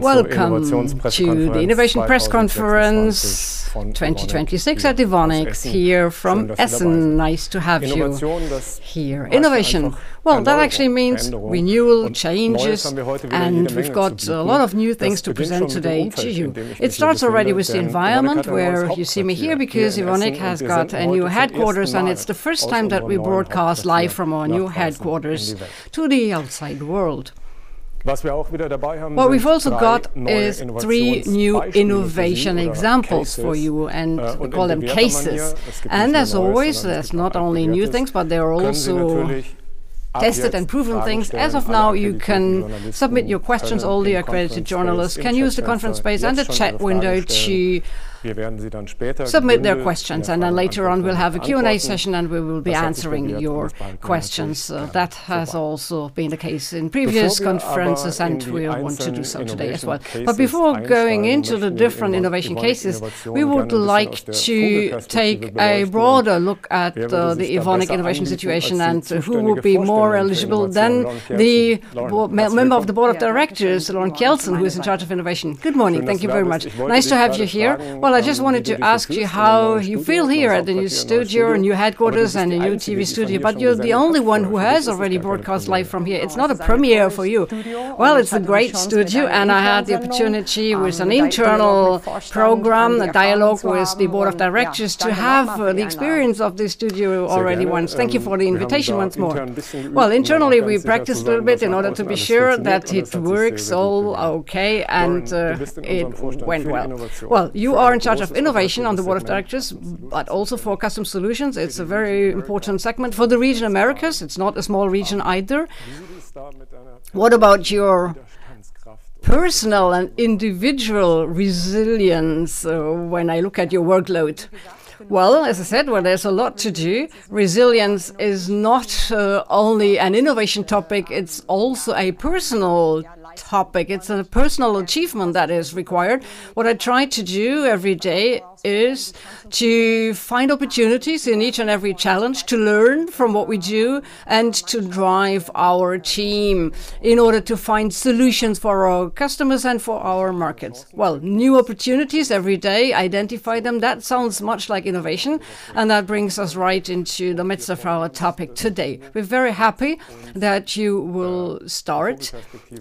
Welcome to the Innovation Press Conference 2026 at Evonik, here from Essen. Nice to have you here. Innovation. Well, that actually means renewal, changes, and we've got a lot of new things to present today to you. It starts already with the environment, where you see me here because Evonik has got a new headquarters, and it's the first time that we broadcast live from our new headquarters to the outside world. What we've also got is three new innovation examples for you, and we call them cases. As always, there's not only new things, but there are also tested and proven things. As of now, you can submit your questions. All the accredited journalists can use the conference space and the chat window to submit their questions, and then later on, we'll have a Q and A session, and we will be answering your questions. That has also been the case in previous conferences, and we want to do so today as well. Before going into the different innovation cases, we would like to take a broader look at the Evonik innovation situation and who will be more eligible than the Member of the Board of Directors, Lauren Kjeldsen, who is in charge of innovation. Good morning. Thank you very much. Nice to have you here. Well, I just wanted to ask you how you feel here at the new studio and new headquarters and a new TV studio, but you're the only one who has already broadcast live from here. It's not a premiere for you. Well, it's a great studio, and I had the opportunity with an internal program, a dialogue with the board of directors, to have the experience of this studio already once. Thank you for the invitation once more. Well, internally, we practiced a little bit in order to be sure that it works all okay and it went well. Well, you are in charge of innovation on the Board of Directors, but also for Custom Solutions. It's a very important segment for the region Americas. It's not a small region either. What about your personal and individual resilience when I look at your workload? Well, as I said, while there's a lot to do, resilience is not only an innovation topic, it's also a personal topic. It's a personal achievement that is required. What I try to do every day is to find opportunities in each and every challenge to learn from what we do and to drive our team in order to find solutions for our customers and for our markets. Well, new opportunities every day, identify them. That sounds much like innovation, and that brings us right into the midst of our topic today. We're very happy that you will start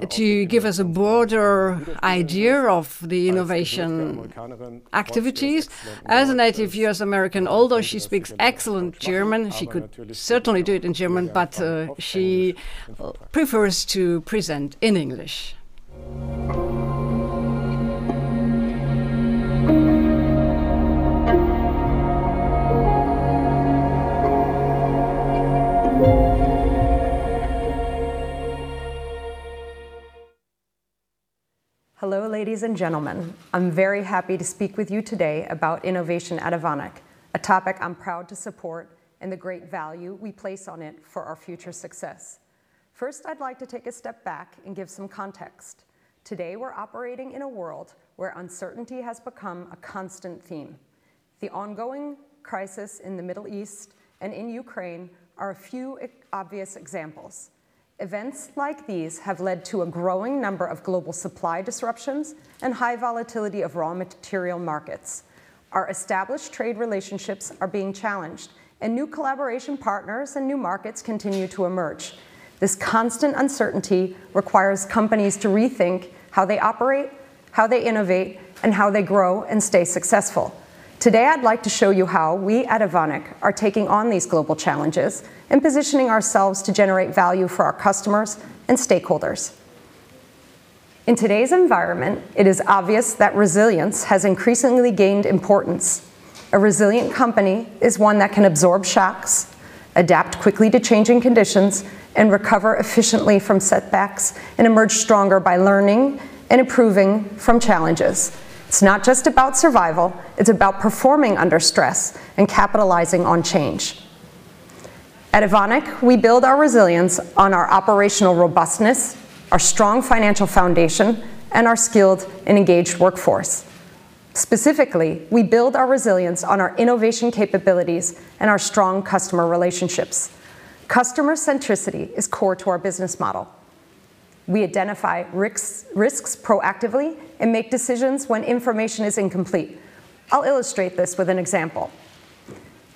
to give us a broader idea of the innovation activities. As a native U.S. American, although she speaks excellent German, she could certainly do it in German, but she prefers to present in English. Hello, ladies and gentlemen. I'm very happy to speak with you today about innovation at Evonik, a topic I'm proud to support and the great value we place on it for our future success. First, I'd like to take a step back and give some context. Today, we're operating in a world where uncertainty has become a constant theme. The ongoing crisis in the Middle East and in Ukraine are a few obvious examples. Events like these have led to a growing number of global supply disruptions and high volatility of raw material markets. Our established trade relationships are being challenged, and new collaboration partners and new markets continue to emerge. This constant uncertainty requires companies to rethink how they operate, how they innovate, and how they grow and stay successful. Today, I'd like to show you how we at Evonik are taking on these global challenges and positioning ourselves to generate value for our customers and stakeholders. In today's environment, it is obvious that resilience has increasingly gained importance. A resilient company is one that can absorb shocks, adapt quickly to changing conditions, and recover efficiently from setbacks and emerge stronger by learning and improving from challenges. It's not just about survival, it's about performing under stress and capitalizing on change. At Evonik, we build our resilience on our operational robustness, our strong financial foundation, and our skilled and engaged workforce. Specifically, we build our resilience on our innovation capabilities and our strong customer relationships. Customer centricity is core to our business model. We identify risks proactively and make decisions when information is incomplete. I'll illustrate this with an example.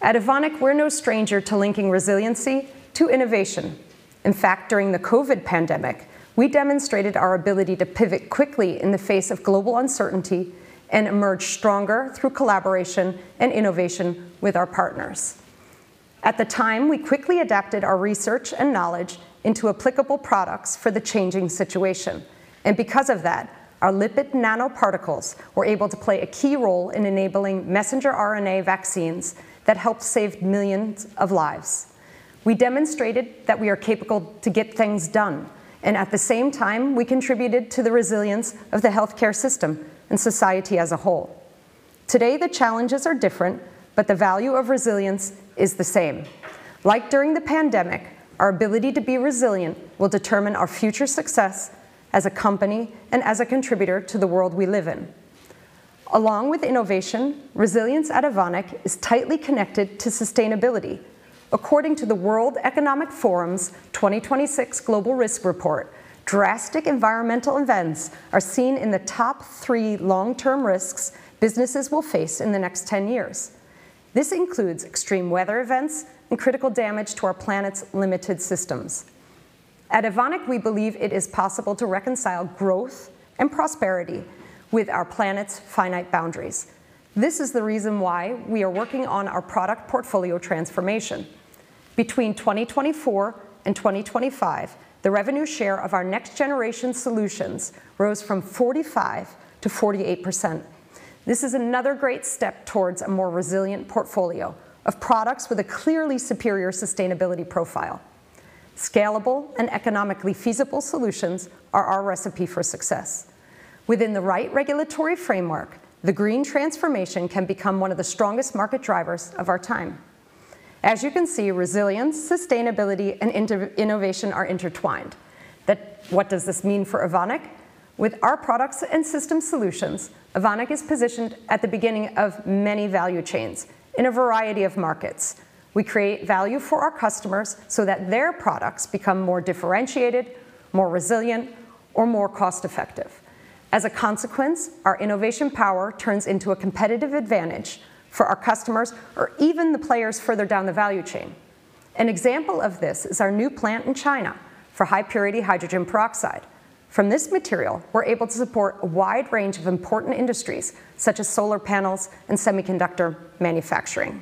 At Evonik, we're no stranger to linking resiliency to innovation. In fact, during the COVID pandemic, we demonstrated our ability to pivot quickly in the face of global uncertainty and emerge stronger through collaboration and innovation with our partners. At the time, we quickly adapted our research and knowledge into applicable products for the changing situation. Because of that, our lipid nanoparticles were able to play a key role in enabling messenger RNA vaccines that helped save millions of lives. We demonstrated that we are capable to get things done. At the same time, we contributed to the resilience of the healthcare system and society as a whole. Today, the challenges are different, but the value of resilience is the same. Like during the pandemic, our ability to be resilient will determine our future success as a company and as a contributor to the world we live in. Along with innovation, resilience at Evonik is tightly connected to sustainability. According to the World Economic Forum's 2026 Global Risk Report, drastic environmental events are seen in the top three long-term risks businesses will face in the next 10 years. This includes extreme weather events and critical damage to our planet's limited systems. At Evonik, we believe it is possible to reconcile growth and prosperity with our planet's finite boundaries. This is the reason why we are working on our product portfolio transformation. Between 2024 and 2025, the revenue share of our Next Generation Solutions rose from 45% to 48%. This is another great step towards a more resilient portfolio of products with a clearly superior sustainability profile. Scalable and economically feasible solutions are our recipe for success. Within the right regulatory framework, the green transformation can become one of the strongest market drivers of our time. As you can see, resilience, sustainability, and innovation are intertwined. What does this mean for Evonik? With our products and system solutions, Evonik is positioned at the beginning of many value chains in a variety of markets. We create value for our customers so that their products become more differentiated, more resilient, or more cost-effective. As a consequence, our innovation power turns into a competitive advantage for our customers or even the players further down the value chain. An example of this is our new plant in China for high-purity hydrogen peroxide. From this material, we're able to support a wide range of important industries, such as solar panels and semiconductor manufacturing.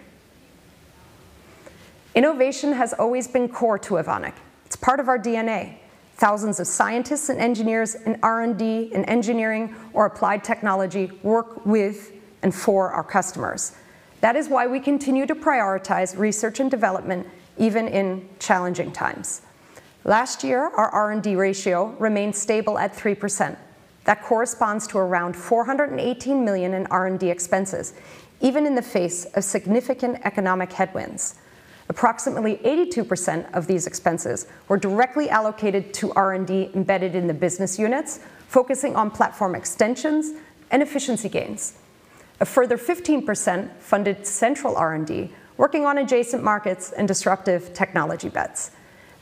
Innovation has always been core to Evonik. It's part of our DNA. Thousands of scientists and engineers in R&D, in engineering, or applied technology work with and for our customers. That is why we continue to prioritize research and development, even in challenging times. Last year, our R&D ratio remained stable at 3%. That corresponds to around 418 million in R&D expenses, even in the face of significant economic headwinds. Approximately 82% of these expenses were directly allocated to R&D embedded in the business units, focusing on platform extensions and efficiency gains. A further 15% funded central R&D, working on adjacent markets and disruptive technology bets.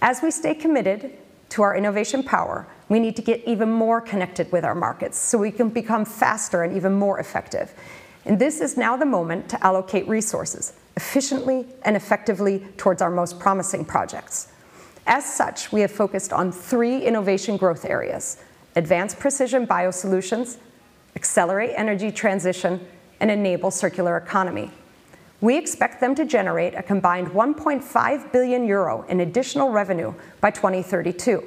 As we stay committed to our innovation power, we need to get even more connected with our markets so we can become faster and even more effective. This is now the moment to allocate resources efficiently and effectively towards our most promising projects. As such, we have focused on three Innovation Growth Areas: advanced precision biosolutions, accelerate energy transition, and enable circular economy. We expect them to generate a combined 1.5 billion euro in additional revenue by 2032.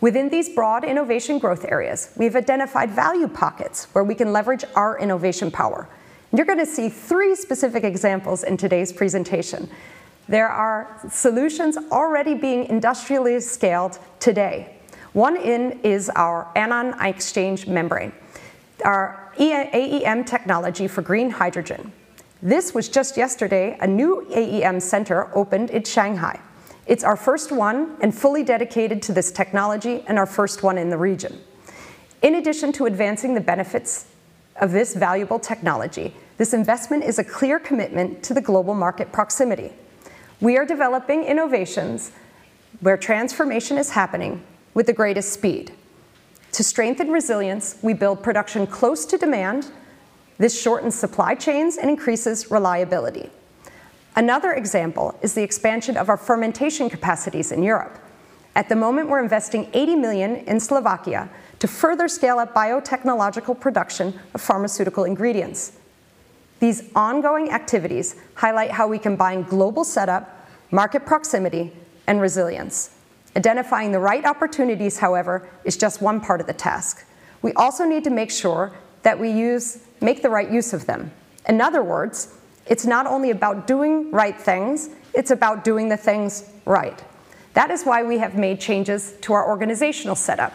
Within these broad Innovation Growth Areas, we've identified value pockets where we can leverage our innovation power. You're going to see three specific examples in today's presentation. There are solutions already being industrially scaled today. One is our anion exchange membrane, our AEM technology for green hydrogen. This was just yesterday, a new AEM center opened in Shanghai. It's our first one and fully dedicated to this technology and our first one in the region. In addition to advancing the benefits of this valuable technology, this investment is a clear commitment to the global market proximity. We are developing innovations where transformation is happening with the greatest speed. To strengthen resilience, we build production close to demand. This shortens supply chains and increases reliability. Another example is the expansion of our fermentation capacities in Europe. At the moment, we're investing 80 million in Slovakia to further scale up biotechnological production of pharmaceutical ingredients. These ongoing activities highlight how we combine global setup, market proximity, and resilience. Identifying the right opportunities, however, is just one part of the task. We also need to make sure that we make the right use of them. In other words, it's not only about doing right things, it's about doing the things right. That is why we have made changes to our organizational setup.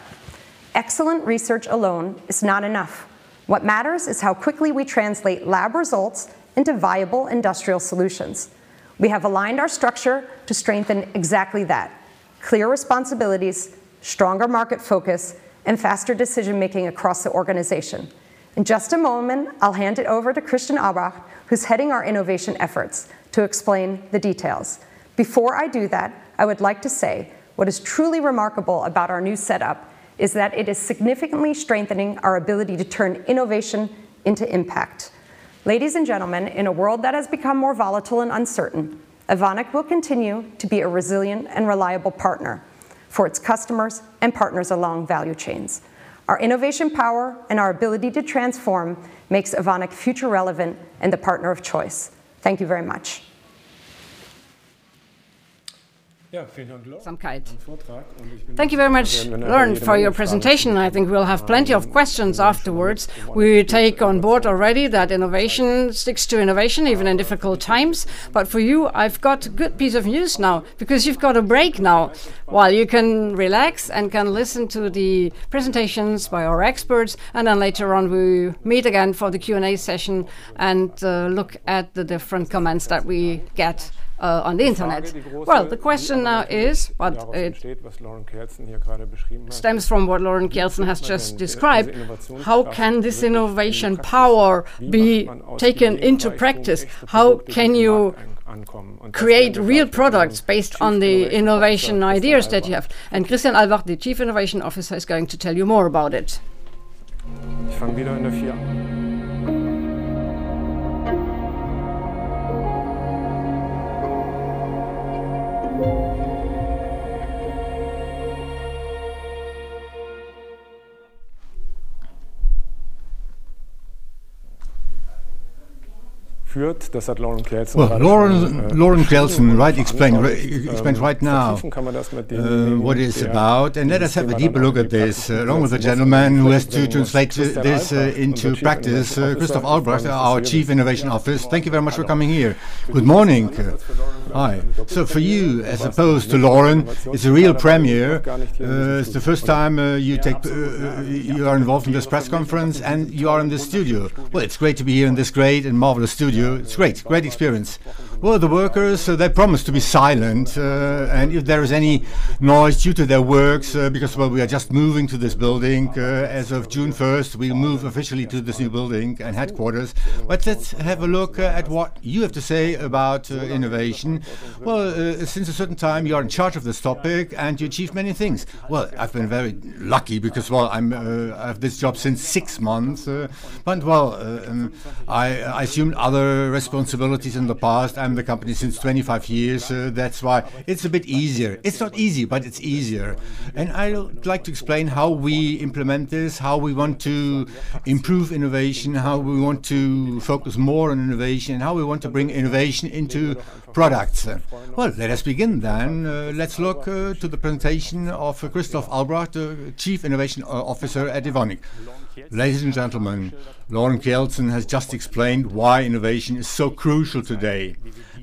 Excellent research alone is not enough. What matters is how quickly we translate lab results into viable industrial solutions. We have aligned our structure to strengthen exactly that. Clear responsibilities, stronger market focus, and faster decision-making across the organization. In just a moment, I'll hand it over to Christian Eilbracht, who's heading our innovation efforts, to explain the details. Before I do that, I would like to say what is truly remarkable about our new setup is that it is significantly strengthening our ability to turn innovation into impact. Ladies and gentlemen, in a world that has become more volatile and uncertain, Evonik will continue to be a resilient and reliable partner for its customers and partners along value chains. Our innovation power and our ability to transform makes Evonik future relevant and the partner of choice. Thank you very much. Thank you very much, Lauren, for your presentation. I think we'll have plenty of questions afterwards. We take on board already that innovation sticks to innovation even in difficult times. For you, I've got good piece of news now because you've got a break now while you can relax and can listen to the presentations by our experts, later on we will meet again for the Q and A session and look at the different comments that we get on the internet. The question now is what stems from what Lauren Kjeldsen has just described. How can this innovation power be taken into practice? How can you create real products based on the innovation ideas that you have? Christian Eilbracht, the Chief Innovation Officer, is going to tell you more about it. Lauren Kjeldsen explained right now what it's about, and let us have a deeper look at this, along with a gentleman who has to translate this into practice, Christian Eilbracht, our Chief Innovation Officer. Thank you very much for coming here. Good morning. Hi. For you, as opposed to Lauren, it's a real premiere. It's the first time you are involved in this press conference, and you are in the studio. It's great to be here in this great and marvelous studio. It's great. Great experience. The workers, they promised to be silent, and if there is any noise due to their works, because, we are just moving to this building. As of June 1st, we move officially to this new building and headquarters. Let's have a look at what you have to say about innovation. Since a certain time, you are in charge of this topic, and you achieved many things. I've been very lucky because, I have this job since six months. I assumed other responsibilities in the past and the company since 25 years. That's why it's a bit easier. It's not easy, but it's easier. I like to explain how we implement this, how we want to improve innovation, how we want to focus more on innovation, and how we want to bring innovation into products. Let us begin. Let's look to the presentation of Christian Eilbracht, Chief Innovation Officer at Evonik. Ladies and gentlemen, Lauren Kjeldsen has just explained why innovation is so crucial today,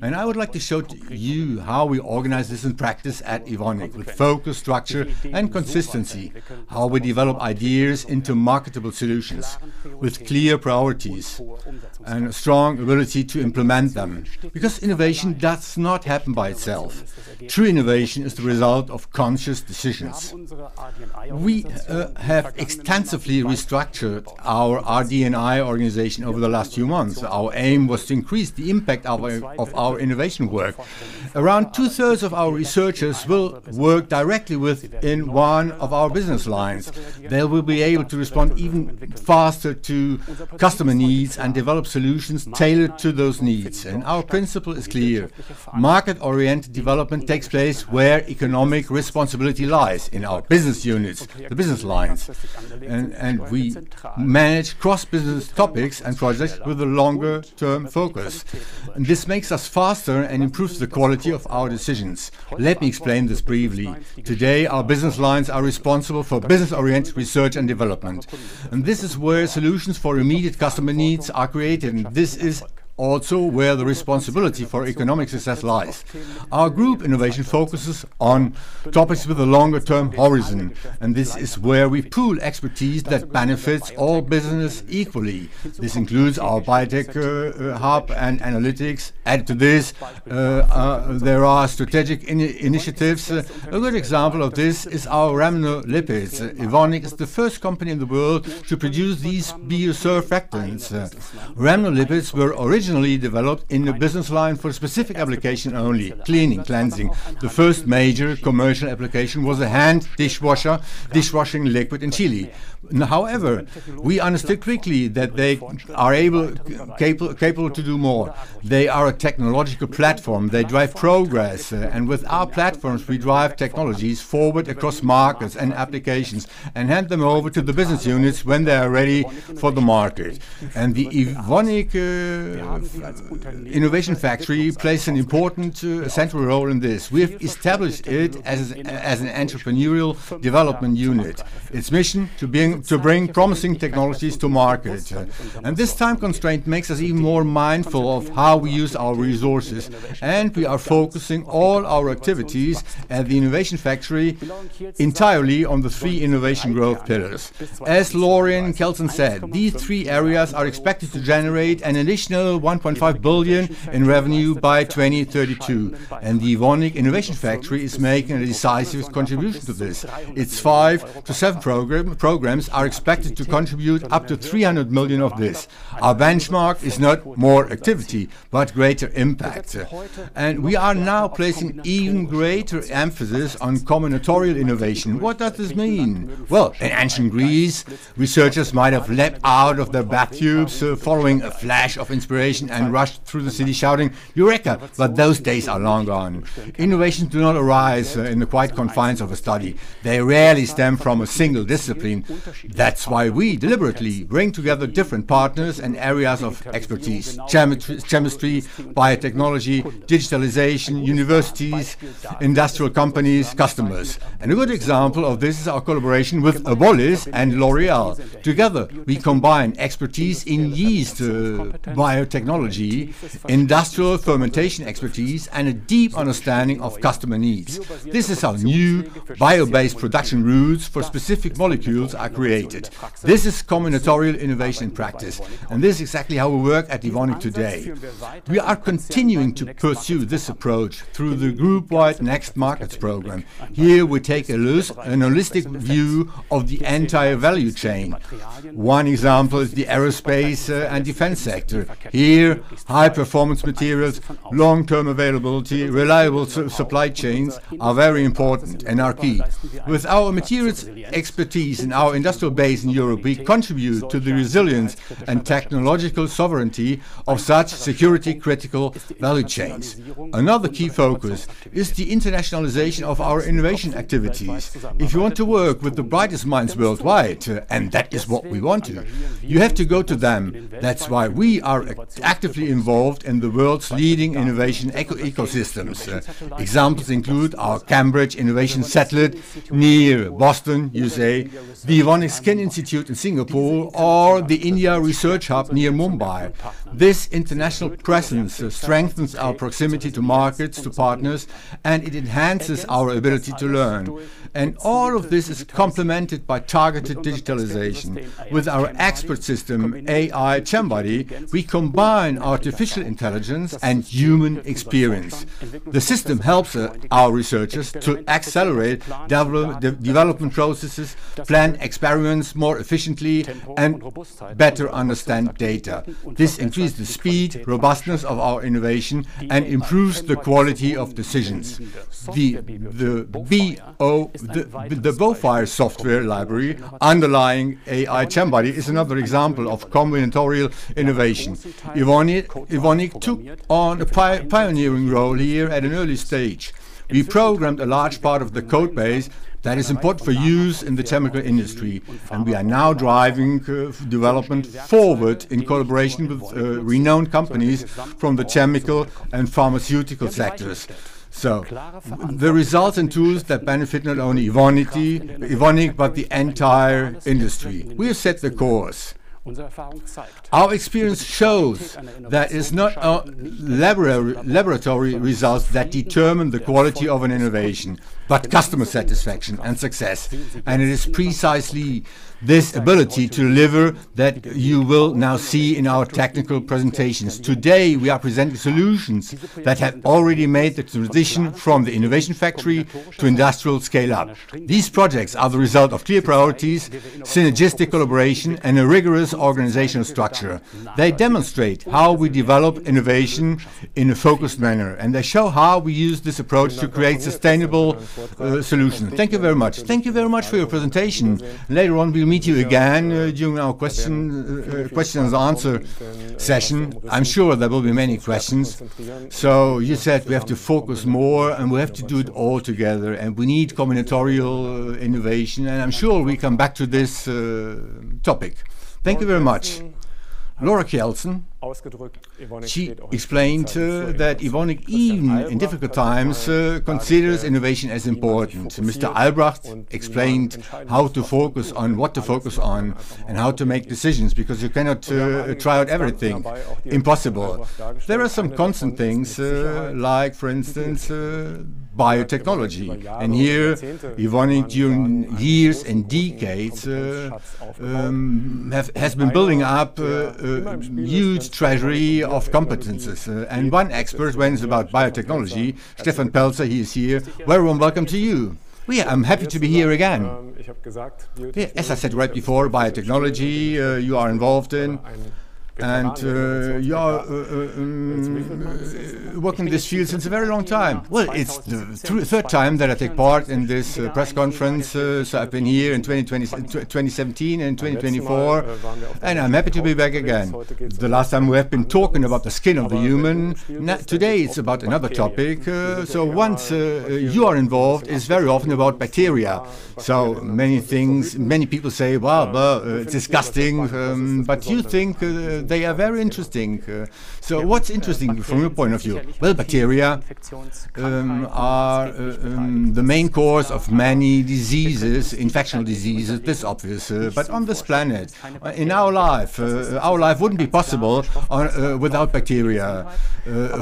I would like to show you how we organize this in practice at Evonik with focus, structure, and consistency, how we develop ideas into marketable solutions with clear priorities and a strong ability to implement them, innovation does not happen by itself. True innovation is the result of conscious decisions. We have extensively restructured our RD&I organization over the last few months. Our aim was to increase the impact of our innovation work. Around two-thirds of our researchers will work directly within one of our business lines. They will be able to respond even faster to customer needs and develop solutions tailored to those needs. Our principle is clear. Market-oriented development takes place where economic responsibility lies, in our business units, the business lines, we manage cross-business topics and projects with a longer-term focus. This makes us faster and improves the quality of our decisions. Let me explain this briefly. Today, our business lines are responsible for business-oriented research and development, this is where solutions for immediate customer needs are created, this is also where the responsibility for economic success lies. Our group innovation focuses on topics with a longer-term horizon, this is where we pool expertise that benefits all business equally. This includes our Biotech Hub and analytics. Add to this, there are strategic initiatives. A good example of this is our rhamnolipids. Evonik is the first company in the world to produce these biosurfactants. rhamnolipids were originally developed in the business line for a specific application only, cleaning, cleansing. The first major commercial application was a hand dishwasher, dishwashing liquid in Chile. However, we understood quickly that they are capable to do more. They are a technological platform. They drive progress. With our platforms, we drive technologies forward across markets and applications and hand them over to the business units when they are ready for the market. The Evonik Innovation Factory plays an important central role in this. We've established it as an entrepreneurial development unit. Its mission, to bring promising technologies to market. This time constraint makes us even more mindful of how we use our resources, we are focusing all our activities at the Innovation Factory entirely on the three Innovation Growth pillars. As Lauren Kjeldsen said, these three areas are expected to generate an additional 1.5 billion in revenue by 2032, the Evonik Innovation Factory is making a decisive contribution to this. Its five to seven programs are expected to contribute up to 300 million of this. Our benchmark is not more activity, but greater impact. We are now placing even greater emphasis on combinatorial innovation. What does this mean? Well, in ancient Greece, researchers might have leapt out of their bathtubs following a flash of inspiration and rushed through the city shouting, "Eureka!" Those days are long gone. Innovations do not arise in the quiet confines of a study. They rarely stem from a single discipline. That's why we deliberately bring together different partners and areas of expertise, chemistry, biotechnology, digitalization, universities, industrial companies, customers. A good example of this is our collaboration with Abolis and L'Oréal. Together, we combine expertise in yeast, biotechnology, industrial fermentation expertise, a deep understanding of customer needs. This is how new bio-based production routes for specific molecules are created. This is combinatorial innovation practice, this is exactly how we work at Evonik today. We are continuing to pursue this approach through the group-wide Next Markets program. Here, we take an holistic view of the entire value chain. For example is the aerospace and defense sector. Here, high performance materials, long-term availability, reliable supply chains are very important and are key. With our materials expertise and our industrial base in Europe, we contribute to the resilience and technological sovereignty of such security critical value chains. Another key focus is the internationalization of our innovation activities. If you want to work with the brightest minds worldwide, that is what we want to, you have to go to them. That's why we are actively involved in the world's leading innovation ecosystems. Examples include our Cambridge Innovation Satellite near Boston, U.S., the Evonik Skin Institute in Singapore, or the India Research Hub near Mumbai. This international presence strengthens our proximity to markets, to partners, and it enhances our ability to learn. All of this is complemented by targeted digitalization. With our expert system, AIChemBuddy, we combine artificial intelligence and human experience. The system helps our researchers to accelerate the development processes, plan experiments more efficiently, and better understand data. This increases the speed, robustness of our innovation, and improves the quality of decisions. The BoFire software library underlying AIChemBuddy is another example of combinatorial innovation. Evonik took on a pioneering role here at an early stage. We programmed a large part of the code base that is important for use in the chemical industry, and we are now driving development forward in collaboration with renowned companies from the chemical and pharmaceutical sectors. The results and tools that benefit not only Evonik, but the entire industry. We have set the course. Our experience shows that it's not laboratory results that determine the quality of an innovation, but customer satisfaction and success. It is precisely this ability to deliver that you will now see in our technical presentations. Today, we are presenting solutions that have already made the transition from the Evonik Innovation Factory to industrial scale-up. These projects are the result of clear priorities, synergistic collaboration, and a rigorous organizational structure. They demonstrate how we develop innovation in a focused manner, and they show how we use this approach to create sustainable solutions. Thank you very much. Thank you very much for your presentation. Later on, we'll meet you again, during our question and answer session. I'm sure there will be many questions. You said we have to focus more and we have to do it all together, and we need combinatorial innovation. I'm sure we come back to this topic. Thank you very much. Lauren Kjeldsen. She explained that Evonik, even in difficult times, considers innovation as important. Mr. Eilbracht explained how to focus on what to focus on and how to make decisions, because you cannot try out everything. Impossible. There are some constant things, like for instance, biotechnology. Here, Evonik during years and decades, has been building up a huge treasury of competencies. One expert when it's about biotechnology, Stefan Pelzer, he is here. A very warm welcome to you. Yeah, I'm happy to be here again. As I said right before, biotechnology, you are involved in, and you are working in this field since a very long time. Well, it's the third time that I take part in this press conference. I've been here in 2017 and 2024, and I'm happy to be back again. The last time we have been talking about the skin of the human. Now, today it's about another topic. Once you are involved, it's very often about bacteria. Many people say, "Well, blah, disgusting," but you think they are very interesting. What's interesting from your point of view? Well, bacteria are the main cause of many diseases, infection diseases. This is obvious. On this planet, in our life, our life wouldn't be possible without bacteria,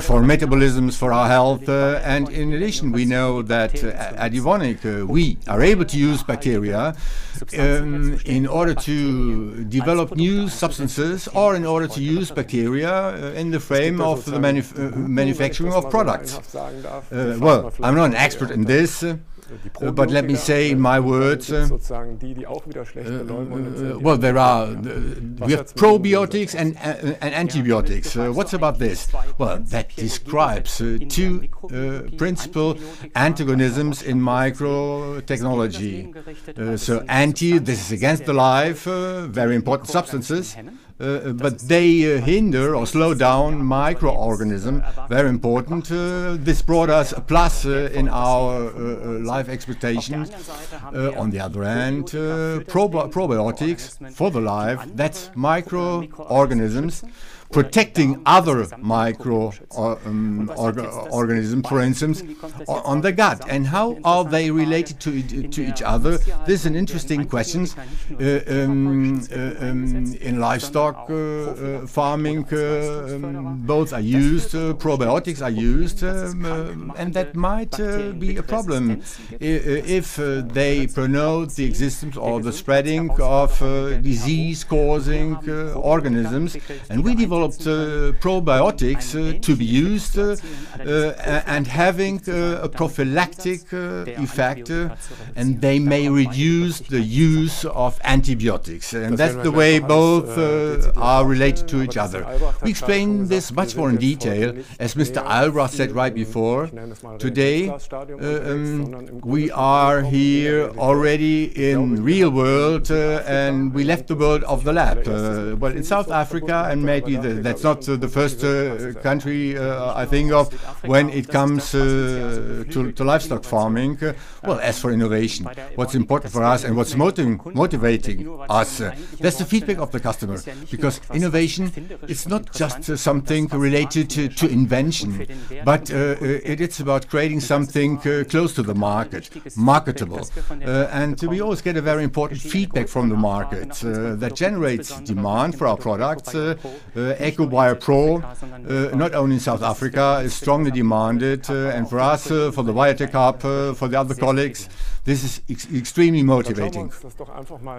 for metabolisms, for our health. In addition, we know that at Evonik, we are able to use bacteria in order to develop new substances or in order to use bacteria in the frame of the manufacturing of products. Well, I'm not an expert in this, but let me say my words. Well, we have probiotics and antibiotics. What about this? Well, that describes two principle antagonisms in microtechnology. Anti, this is against the life, very important substances, but they hinder or slow down microorganism. Very important. This brought us a plus in our life expectations. On the other hand, probiotics, for the life, that's microorganisms protecting other microorganisms, for instance, on the gut. How are they related to each other? This is an interesting question. In livestock farming, both are used, probiotics are used. That might be a problem if they promote the existence or the spreading of disease-causing organisms. We developed probiotics to be used, and having a prophylactic effect, and they may reduce the use of antibiotics. That's the way both are related to each other. We explain this much more in detail. As Mr. Eilbracht said right before, today, we are here already in real world, and we left the world of the lab. Well, in South Africa, maybe that's not the first country I think of when it comes to livestock farming. Well, as for innovation, what's important for us and what's motivating us, that's the feedback of the customer, because innovation, it's not just something related to invention. It's about creating something close to the market, marketable. We always get a very important feedback from the market, that generates demand for our products. Ecobiol PRO, not only in South Africa, is strongly demanded. For us, for the Biotech Hub, for the other colleagues, this is extremely motivating.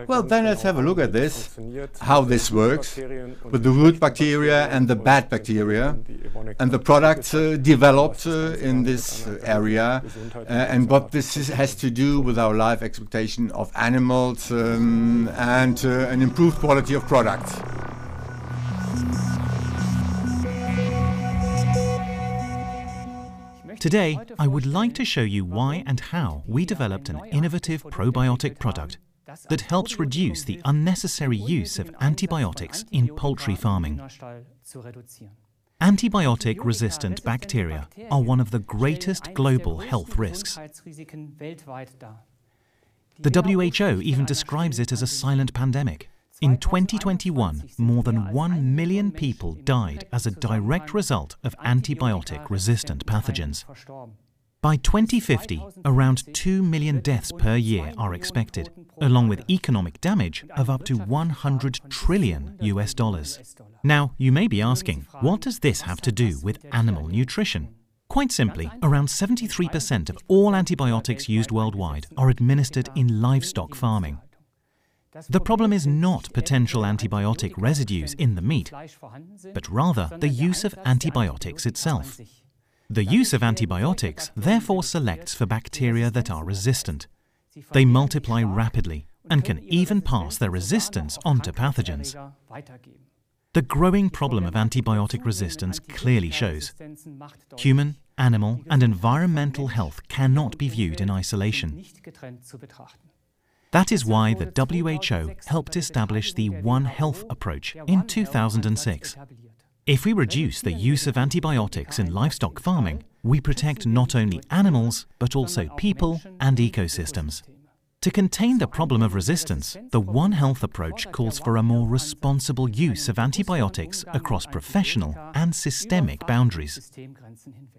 Well, let's have a look at this, how this works with the good bacteria and the bad bacteria, and the products developed in this area, and what this has to do with our life expectation of animals, and an improved quality of products. Today, I would like to show you why and how we developed an innovative probiotic product that helps reduce the unnecessary use of antibiotics in poultry farming. Antibiotic-resistant bacteria are one of the greatest global health risks. The WHO even describes it as a silent pandemic. In 2021, more than 1 million people died as a direct result of antibiotic-resistant pathogens. By 2050, around 2 million deaths per year are expected, along with economic damage of up to $100 trillion. You may be asking, what does this have to do with animal nutrition? Quite simply, around 73% of all antibiotics used worldwide are administered in livestock farming. The problem is not potential antibiotic residues in the meat, but rather the use of antibiotics itself. The use of antibiotics therefore selects for bacteria that are resistant. They multiply rapidly and can even pass their resistance on to pathogens. The growing problem of antibiotic resistance clearly shows human, animal, and environmental health cannot be viewed in isolation. That is why the WHO helped establish the One Health approach in 2006. If we reduce the use of antibiotics in livestock farming, we protect not only animals, but also people and ecosystems. To contain the problem of resistance, the One Health approach calls for a more responsible use of antibiotics across professional and systemic boundaries.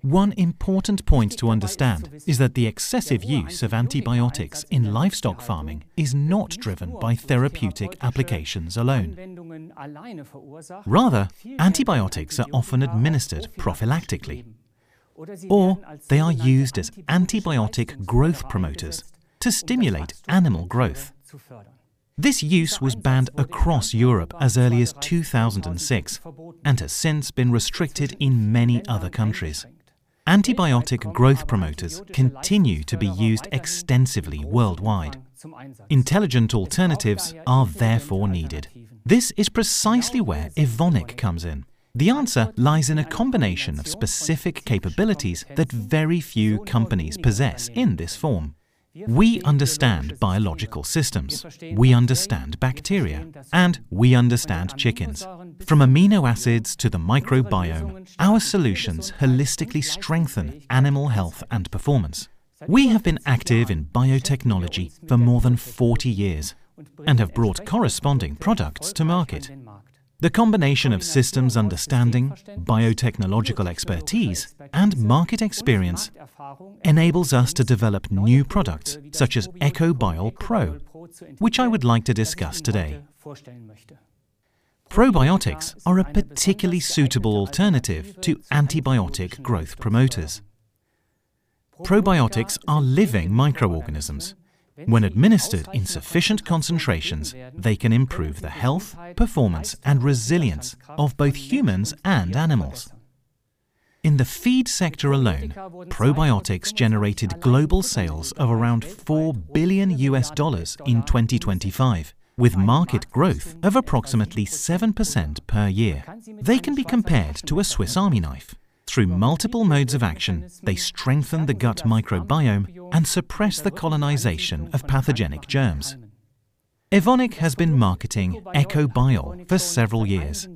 One important point to understand is that the excessive use of antibiotics in livestock farming is not driven by therapeutic applications alone. Rather, antibiotics are often administered prophylactically, or they are used as antibiotic growth promoters to stimulate animal growth. This use was banned across Europe as early as 2006 and has since been restricted in many other countries. Antibiotic growth promoters continue to be used extensively worldwide. Intelligent alternatives are therefore needed. This is precisely where Evonik comes in. The answer lies in a combination of specific capabilities that very few companies possess in this form. We understand biological systems, we understand bacteria, and we understand chickens. From amino acids to the microbiome, our solutions holistically strengthen animal health and performance. We have been active in biotechnology for more than 40 years and have brought corresponding products to market. The combination of systems understanding, biotechnological expertise, and market experience enables us to develop new products such as Ecobiol PRO, which I would like to discuss today. Probiotics are a particularly suitable alternative to antibiotic growth promoters. Probiotics are living microorganisms. When administered in sufficient concentrations, they can improve the health, performance, and resilience of both humans and animals. In the feed sector alone, probiotics generated global sales of around $4 billion in 2025, with market growth of approximately 7% per year. They can be compared to a Swiss Army knife. Through multiple modes of action, they strengthen the gut microbiome and suppress the colonization of pathogenic germs. Evonik has been marketing Ecobiol for several years.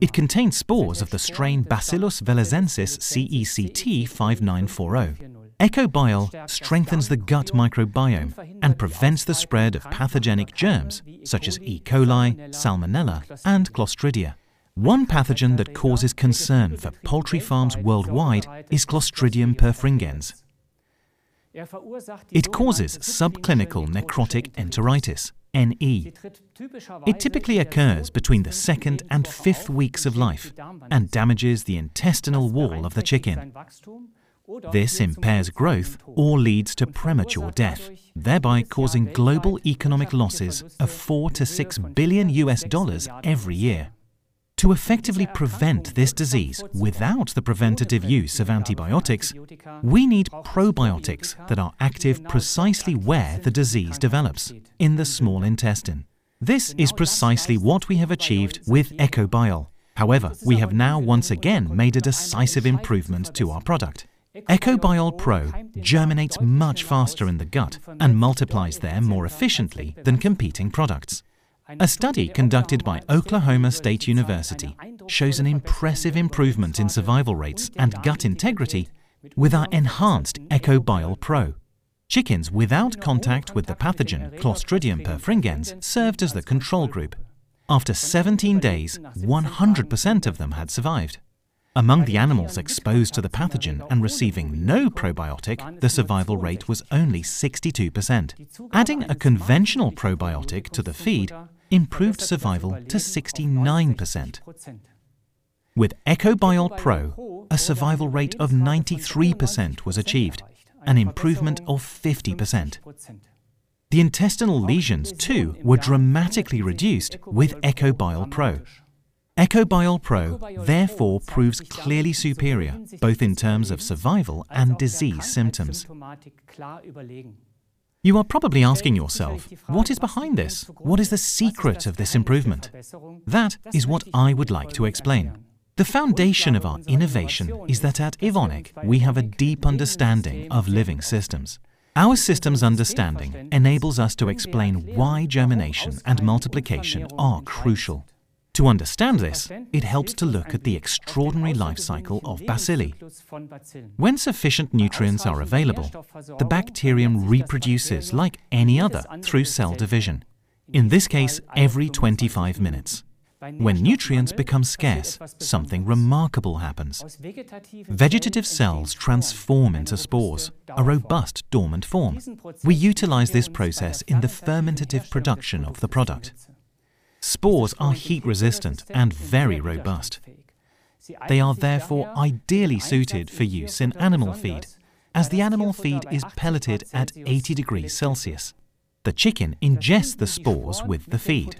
It contains spores of the strain Bacillus velezensis CECT 5940. Ecobiol strengthens the gut microbiome and prevents the spread of pathogenic germs such as E. coli, Salmonella, and Clostridia. One pathogen that causes concern for poultry farms worldwide is Clostridium perfringens. It causes subclinical necrotic enteritis, NE. It typically occurs between the second and fifth weeks of life and damages the intestinal wall of the chicken. This impairs growth or leads to premature death, thereby causing global economic losses of $4 billion-$6 billion every year. To effectively prevent this disease without the preventative use of antibiotics, we need probiotics that are active precisely where the disease develops, in the small intestine. This is precisely what we have achieved with Ecobiol. However, we have now once again made a decisive improvement to our product. Ecobiol PRO germinates much faster in the gut and multiplies there more efficiently than competing products. A study conducted by Oklahoma State University shows an impressive improvement in survival rates and gut integrity with our enhanced Ecobiol PRO. Chickens without contact with the pathogen Clostridium perfringens served as the control group. After 17 days, 100% of them had survived. Among the animals exposed to the pathogen and receiving no probiotic, the survival rate was only 62%. Adding a conventional probiotic to the feed improved survival to 69%. With Ecobiol PRO, a survival rate of 93% was achieved, an improvement of 50%. The intestinal lesions, too, were dramatically reduced with Ecobiol PRO. Ecobiol PRO therefore proves clearly superior, both in terms of survival and disease symptoms. You are probably asking yourself, what is behind this? What is the secret of this improvement? That is what I would like to explain. The foundation of our innovation is that at Evonik, we have a deep understanding of living systems. Our systems understanding enables us to explain why germination and multiplication are crucial. To understand this, it helps to look at the extraordinary life cycle of bacilli. When sufficient nutrients are available, the bacterium reproduces like any other through cell division. In this case, every 25 minutes. When nutrients become scarce, something remarkable happens. Vegetative cells transform into spores, a robust dormant form. We utilize this process in the fermentative production of the product. Spores are heat-resistant and very robust. They are therefore ideally suited for use in animal feed, as the animal feed is pelleted at 80 degrees Celsius. The chicken ingests the spores with the feed.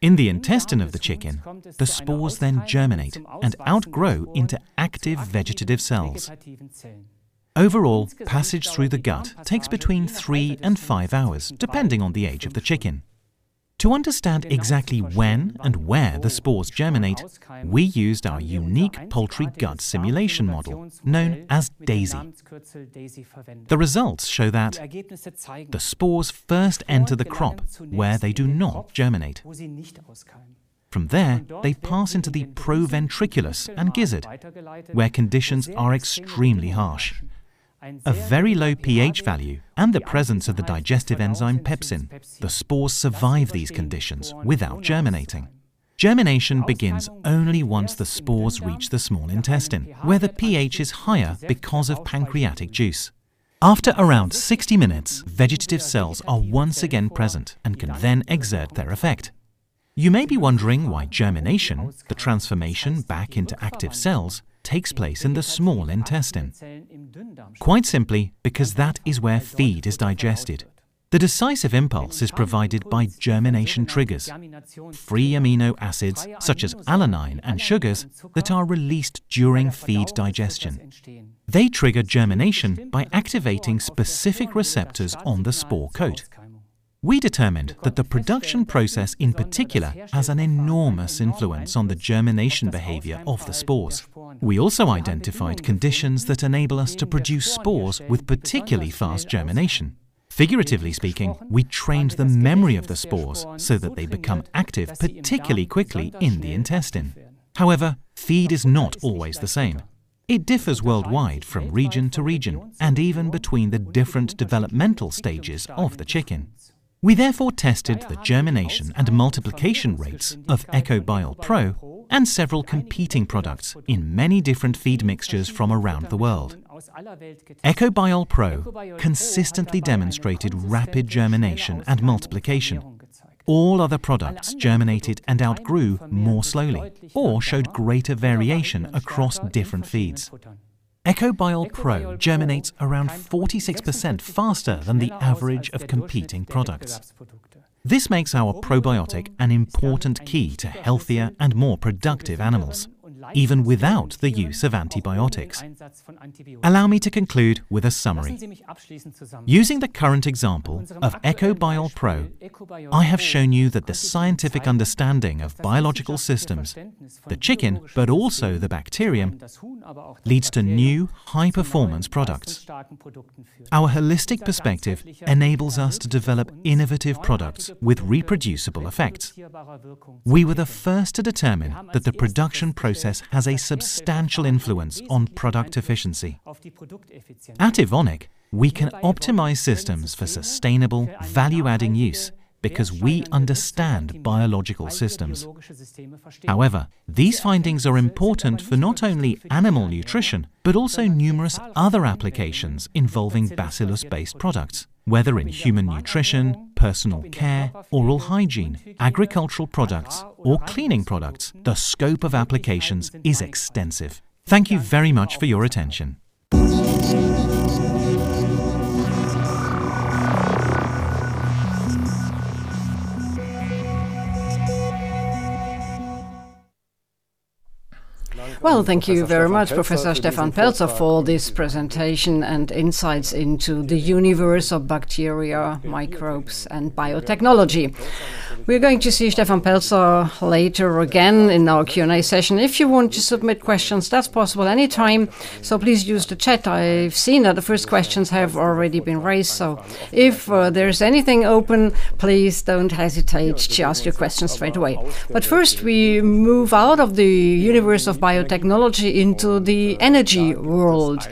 In the intestine of the chicken, the spores then germinate and outgrow into active vegetative cells. Overall, passage through the gut takes between three and five hours, depending on the age of the chicken. To understand exactly when and where the spores germinate, we used our unique poultry gut simulation model, known as DAISy. The results show that the spores first enter the crop where they do not germinate. From there, they pass into the proventriculus and gizzard, where conditions are extremely harsh. A very low pH value and the presence of the digestive enzyme pepsin, the spores survive these conditions without germinating. Germination begins only once the spores reach the small intestine, where the pH is higher because of pancreatic juice. After around 60 minutes, vegetative cells are once again present and can then exert their effect. You may be wondering why germination, the transformation back into active cells, takes place in the small intestine. Quite simply because that is where feed is digested. The decisive impulse is provided by germination triggers, free amino acids such as alanine and sugars that are released during feed digestion. They trigger germination by activating specific receptors on the spore coat. We determined that the production process in particular has an enormous influence on the germination behavior of the spores. We also identified conditions that enable us to produce spores with particularly fast germination. Figuratively speaking, we trained the memory of the spores so that they become active particularly quickly in the intestine. However, feed is not always the same. It differs worldwide from region to region and even between the different developmental stages of the chicken. We therefore tested the germination and multiplication rates of Ecobiol PRO and several competing products in many different feed mixtures from around the world. Ecobiol PRO consistently demonstrated rapid germination and multiplication. All other products germinated and outgrew more slowly or showed greater variation across different feeds. Ecobiol PRO germinates around 46% faster than the average of competing products. This makes our probiotic an important key to healthier and more productive animals, even without the use of antibiotics. Allow me to conclude with a summary. Using the current example of Ecobiol PRO, I have shown you that the scientific understanding of biological systems, the chicken, but also the bacterium, leads to new high-performance products. Our holistic perspective enables us to develop innovative products with reproducible effects. We were the first to determine that the production process has a substantial influence on product efficiency. At Evonik, we can optimize systems for sustainable value-adding use because we understand biological systems. However, these findings are important for not only animal nutrition, but also numerous other applications involving Bacillus-based products, whether in human nutrition, personal care, oral hygiene, agricultural products, or cleaning products. The scope of applications is extensive. Thank you very much for your attention. Well, thank you very much, Professor Stefan Pelzer, for this presentation and insights into the universe of bacteria, microbes, and biotechnology. We're going to see Stefan Pelzer later again in our Q and A session. If you want to submit questions, that's possible anytime. Please use the chat. I've seen that the first questions have already been raised. If there's anything open, please don't hesitate to ask your questions straight away. First, we move out of the universe of biotechnology into the energy world,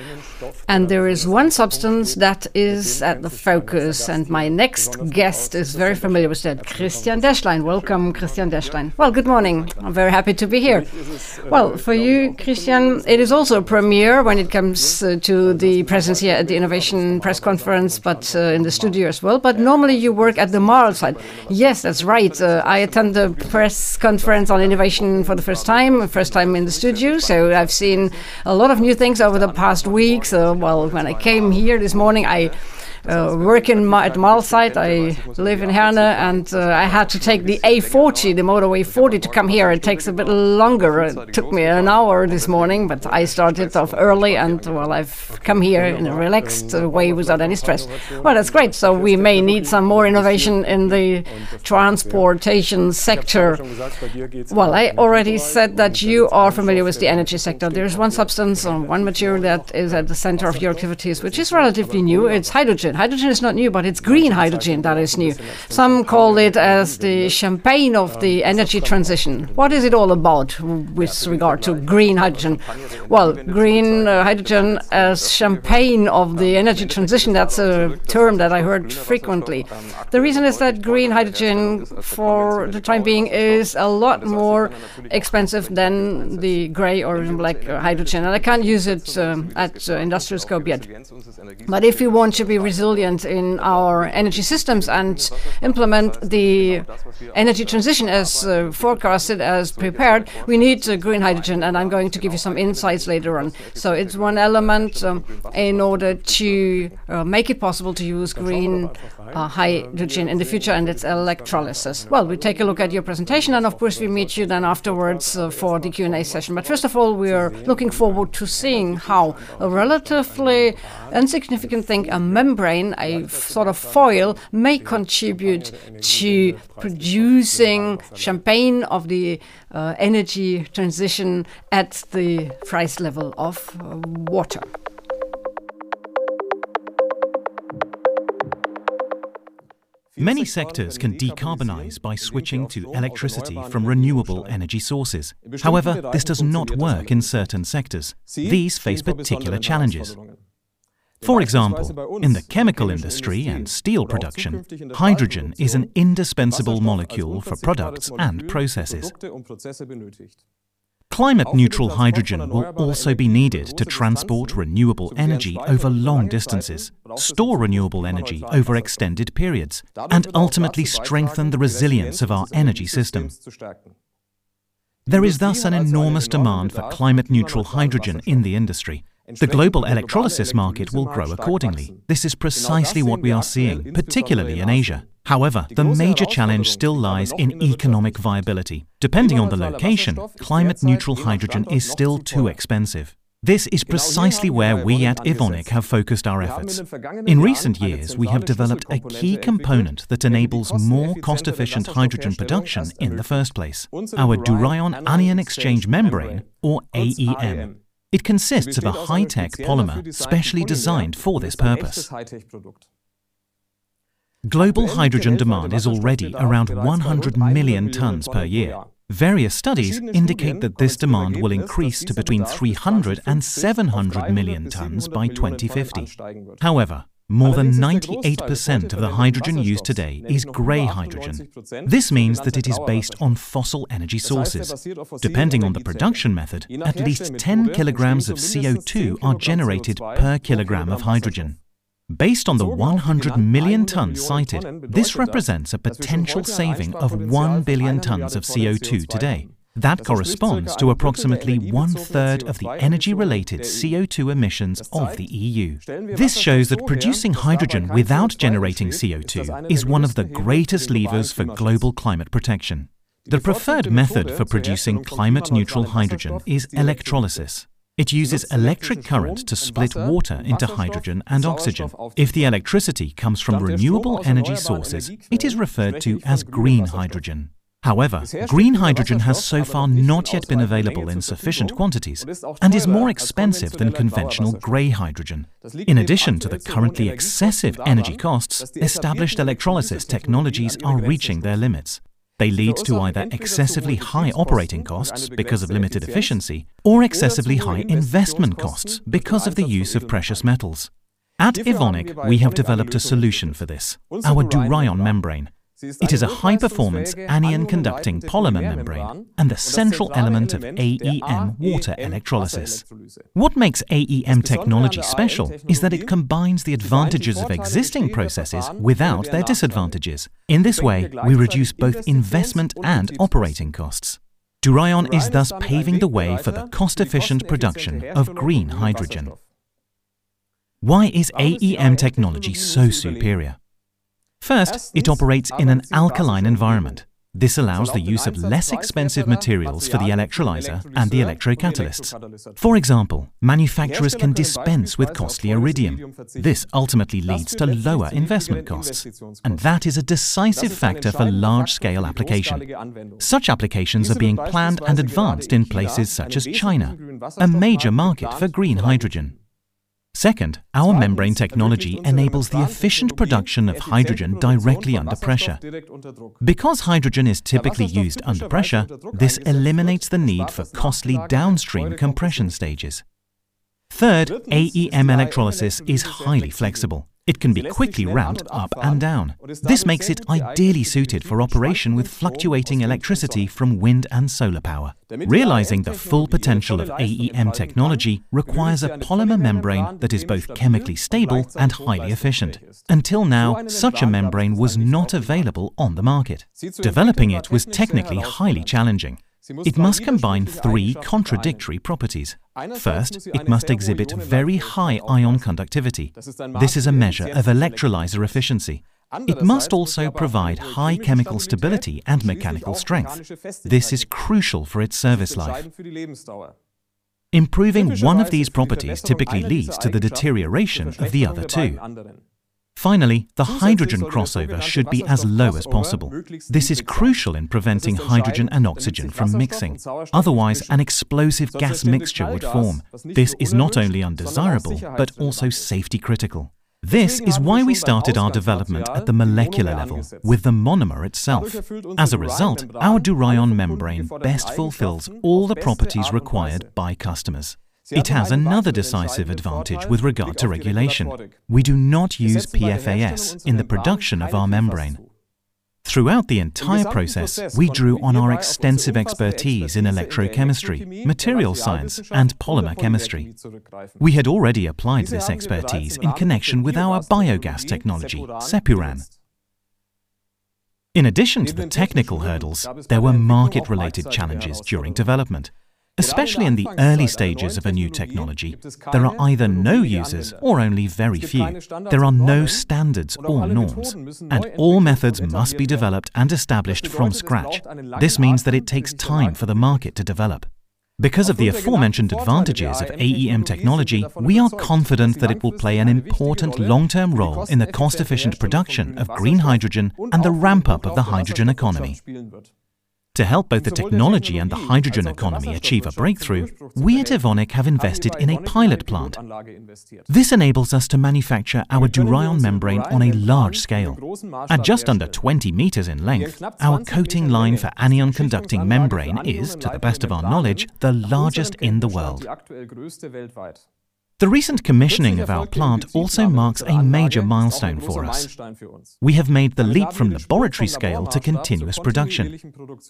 and there is one substance that is at the focus, and my next guest is very familiar with that. Christian Däschlein. Welcome, Christian Däschlein. Well, good morning. I'm very happy to be here. Well, for you, Christian, it is also a premiere when it comes to the presence here at the Innovation Press Conference, in the studio as well. Normally you work at the Marl site. Yes, that's right. I attend the press conference on innovation for the first time in the studio. I've seen a lot of new things over the past weeks. Well, when I came here this morning, I work at Marl site, I live in Herne, and I had to take the A40, the motorway 40 to come here. It takes a bit longer. It took me an hour this morning. I started off early, and, well, I've come here in a relaxed way without any stress. Well, that's great. We may need some more innovation in the transportation sector. Well, I already said that you are familiar with the energy sector. There is one substance or one material that is at the center of your activities, which is relatively new. It's hydrogen. Hydrogen is not new. It's green hydrogen that is new. Some call it as the champagne of the energy transition. What is it all about with regard to green hydrogen? Well, green hydrogen as champagne of the energy transition, that's a term that I heard frequently. The reason is that green hydrogen, for the time being, is a lot more expensive than the gray or black hydrogen, and I can't use it at industrial scope yet. If you want to be resilient in our energy systems and implement the energy transition as forecasted, as prepared, we need green hydrogen, and I'm going to give you some insights later on. It's one element in order to make it possible to use green hydrogen in the future, and it's electrolysis. Well, we take a look at your presentation, and of course, we meet you then afterwards for the Q&A session. First of all, we are looking forward to seeing how a relatively insignificant thing, a membrane, a sort of foil, may contribute to producing champagne of the energy transition at the price level of water. Many sectors can decarbonize by switching to electricity from renewable energy sources. However, this does not work in certain sectors. These face particular challenges. For example, in the chemical industry and steel production, hydrogen is an indispensable molecule for products and processes. Climate neutral hydrogen will also be needed to transport renewable energy over long distances, store renewable energy over extended periods, and ultimately strengthen the resilience of our energy system. There is thus an enormous demand for climate neutral hydrogen in the industry. The global electrolysis market will grow accordingly. This is precisely what we are seeing, particularly in Asia. However, the major challenge still lies in economic viability. Depending on the location, climate neutral hydrogen is still too expensive. This is precisely where we at Evonik have focused our efforts. In recent years, we have developed a key component that enables more cost-efficient hydrogen production in the first place, our DURAION anion exchange membrane, or AEM. It consists of a high-tech polymer, specially designed for this purpose. Global hydrogen demand is already around 100 million tons per year. Various studies indicate that this demand will increase to between 300 million and 700 million tons by 2050. However, more than 98% of the hydrogen used today is gray hydrogen. This means that it is based on fossil energy sources. Depending on the production method, at least 10 kg of CO2 are generated per kilogram of hydrogen. Based on the 100 million tons cited, this represents a potential saving of 1 billion tons of CO2 today. That corresponds to approximately one third of the energy related CO2 emissions of the EU. This shows that producing hydrogen without generating CO2 is one of the greatest levers for global climate protection. The preferred method for producing climate neutral hydrogen is electrolysis. It uses electric current to split water into hydrogen and oxygen. If the electricity comes from renewable energy sources, it is referred to as green hydrogen. However, green hydrogen has so far not yet been available in sufficient quantities and is more expensive than conventional gray hydrogen. In addition to the currently excessive energy costs, established electrolysis technologies are reaching their limits. They lead to either excessively high operating costs because of limited efficiency, or excessively high investment costs because of the use of precious metals. At Evonik, we have developed a solution for this, our DURAION membrane. It is a high performance anion conducting polymer membrane and the central element of AEM water electrolysis. What makes AEM technology special is that it combines the advantages of existing processes without their disadvantages. In this way, we reduce both investment and operating costs. DURAION is thus paving the way for the cost-efficient production of green hydrogen. Why is AEM technology so superior? First, it operates in an alkaline environment. This allows the use of less expensive materials for the electrolyzer and the electrocatalysts. For example, manufacturers can dispense with costly iridium. This ultimately leads to lower investment costs, and that is a decisive factor for large-scale application. Such applications are being planned and advanced in places such as China, a major market for green hydrogen. Second, our membrane technology enables the efficient production of hydrogen directly under pressure. Because hydrogen is typically used under pressure, this eliminates the need for costly downstream compression stages. Third, AEM electrolysis is highly flexible. It can be quickly ramped up and down. This makes it ideally suited for operation with fluctuating electricity from wind and solar power. Realizing the full potential of AEM technology requires a polymer membrane that is both chemically stable and highly efficient. Until now, such a membrane was not available on the market. Developing it was technically highly challenging. It must combine three contradictory properties. First, it must exhibit very high ion conductivity. This is a measure of electrolyzer efficiency. It must also provide high chemical stability and mechanical strength. This is crucial for its service life. Improving one of these properties typically leads to the deterioration of the other two. Finally, the hydrogen crossover should be as low as possible. This is crucial in preventing hydrogen and oxygen from mixing, otherwise an explosive gas mixture would form. This is not only undesirable, but also safety-critical. This is why we started our development at the molecular level with the monomer itself. As a result, our DURAION membrane best fulfills all the properties required by customers. It has another decisive advantage with regard to regulation. We do not use PFAS in the production of our membrane. Throughout the entire process, we drew on our extensive expertise in electrochemistry, material science, and polymer chemistry. We had already applied this expertise in connection with our biogas technology, SEPURAN. In addition to the technical hurdles, there were market-related challenges during development. Especially in the early stages of a new technology, there are either no users or only very few. There are no standards or norms, and all methods must be developed and established from scratch. This means that it takes time for the market to develop. Because of the aforementioned advantages of AEM technology, we are confident that it will play an important long-term role in the cost-efficient production of green hydrogen and the ramp-up of the hydrogen economy. To help both the technology and the hydrogen economy achieve a breakthrough, we at Evonik have invested in a pilot plant. This enables us to manufacture our DURAION membrane on a large scale. At just under 20 m in length, our coating line for anion-conducting membrane is, to the best of our knowledge, the largest in the world. The recent commissioning of our plant also marks a major milestone for us. We have made the leap from laboratory scale to continuous production.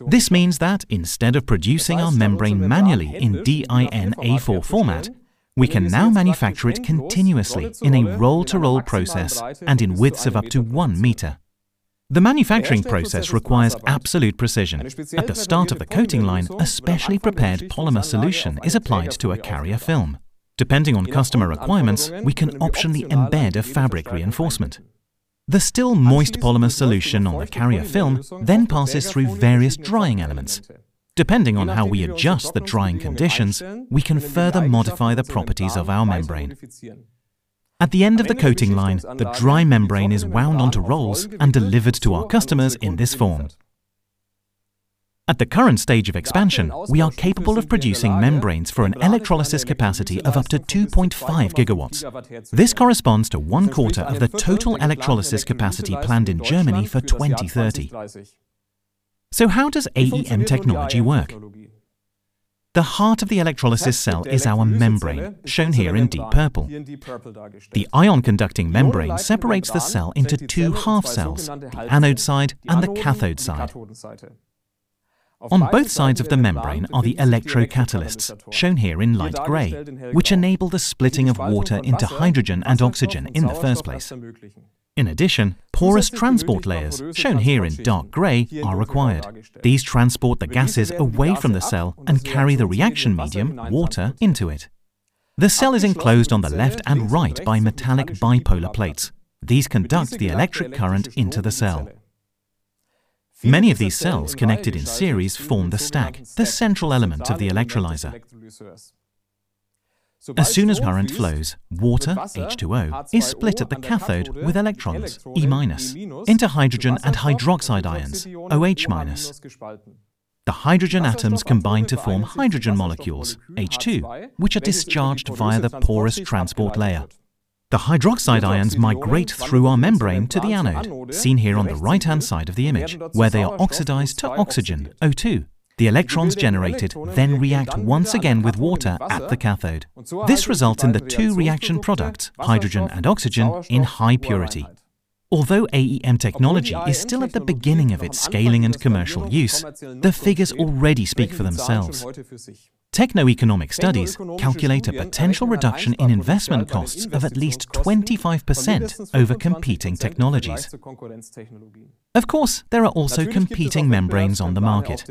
This means that instead of producing our membrane manually in DIN A4 format, we can now manufacture it continuously in a roll-to-roll process and in widths of up to 1 m. The manufacturing process requires absolute precision. At the start of the coating line, a specially prepared polymer solution is applied to a carrier film. Depending on customer requirements, we can optionally embed a fabric reinforcement. The still moist polymer solution on the carrier film passes through various drying elements. Depending on how we adjust the drying conditions, we can further modify the properties of our membrane. At the end of the coating line, the dry membrane is wound onto rolls and delivered to our customers in this form. At the current stage of expansion, we are capable of producing membranes for an electrolysis capacity of up to 2.5 GW. This corresponds to one quarter of the total electrolysis capacity planned in Germany for 2030. How does AEM technology work? The heart of the electrolysis cell is our membrane, shown here in deep purple. The ion-conducting membrane separates the cell into two half cells, the anode side and the cathode side. On both sides of the membrane are the electrocatalysts, shown here in light gray, which enable the splitting of water into hydrogen and oxygen in the first place. In addition, porous transport layers, shown here in dark gray, are required. These transport the gases away from the cell and carry the reaction medium, water, into it. The cell is enclosed on the left and right by metallic bipolar plates. These conduct the electric current into the cell. Many of these cells connected in series form the stack, the central element of the electrolyzer. As soon as current flows, water, H2O, is split at the cathode with electrons, e¯, into hydrogen and hydroxide ions, OH¯. The hydrogen atoms combine to form hydrogen molecules, H2, which are discharged via the porous transport layer. The hydroxide ions migrate through our membrane to the anode, seen here on the right-hand side of the image, where they are oxidized to oxygen, O2. The electrons generated react once again with water at the cathode. This results in the two reaction products, hydrogen and oxygen, in high purity. Although AEM technology is still at the beginning of its scaling and commercial use, the figures already speak for themselves. Techno-economic studies calculate a potential reduction in investment costs of at least 25% over competing technologies. Of course, there are also competing membranes on the market.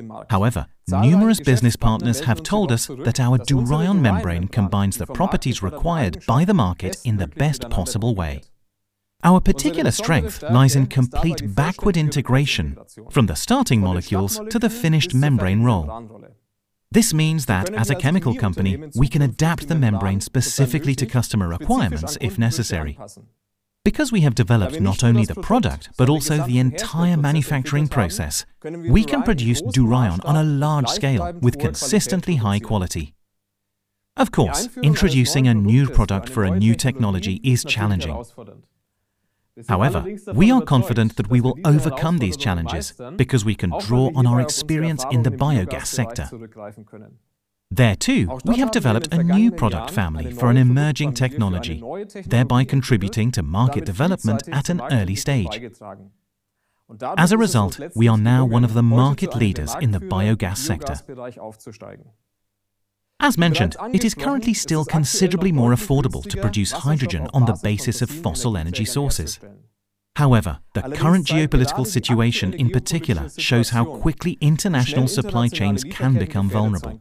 Numerous business partners have told us that our DURAION membrane combines the properties required by the market in the best possible way. Our particular strength lies in complete backward integration from the starting molecules to the finished membrane roll. This means that as a chemical company, we can adapt the membrane specifically to customer requirements if necessary. We have developed not only the product, but also the entire manufacturing process, we can produce DURAION on a large scale with consistently high quality. Of course, introducing a new product for a new technology is challenging. We are confident that we will overcome these challenges because we can draw on our experience in the biogas sector. There, too, we have developed a new product family for an emerging technology, thereby contributing to market development at an early stage. As a result, we are now one of the market leaders in the biogas sector. As mentioned, it is currently still considerably more affordable to produce hydrogen on the basis of fossil energy sources. The current geopolitical situation in particular shows how quickly international supply chains can become vulnerable.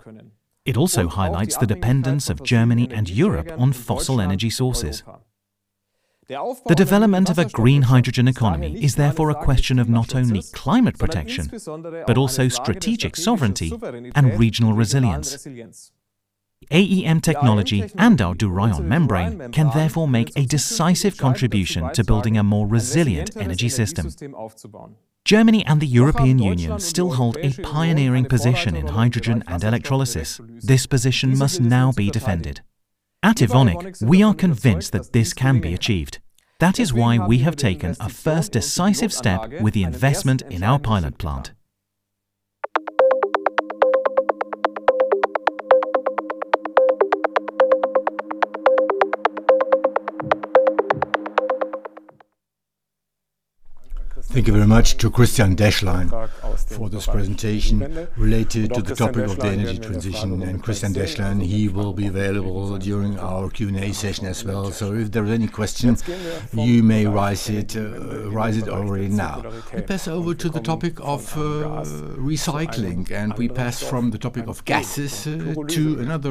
It also highlights the dependence of Germany and Europe on fossil energy sources. The development of a green hydrogen economy is therefore a question of not only climate protection, but also strategic sovereignty and regional resilience. AEM technology and our DURAION membrane can therefore make a decisive contribution to building a more resilient energy system. Germany and the European Union still hold a pioneering position in hydrogen and electrolysis. This position must now be defended. At Evonik, we are convinced that this can be achieved. That is why we have taken a first decisive step with the investment in our pilot plant. Thank you very much to Christian Däschlein for this presentation related to the topic of the energy transition. Christian Däschlein, he will be available during our Q and A session as well. If there are any questions, you may raise it already now. We pass over to the topic of recycling, and we pass from the topic of gases to another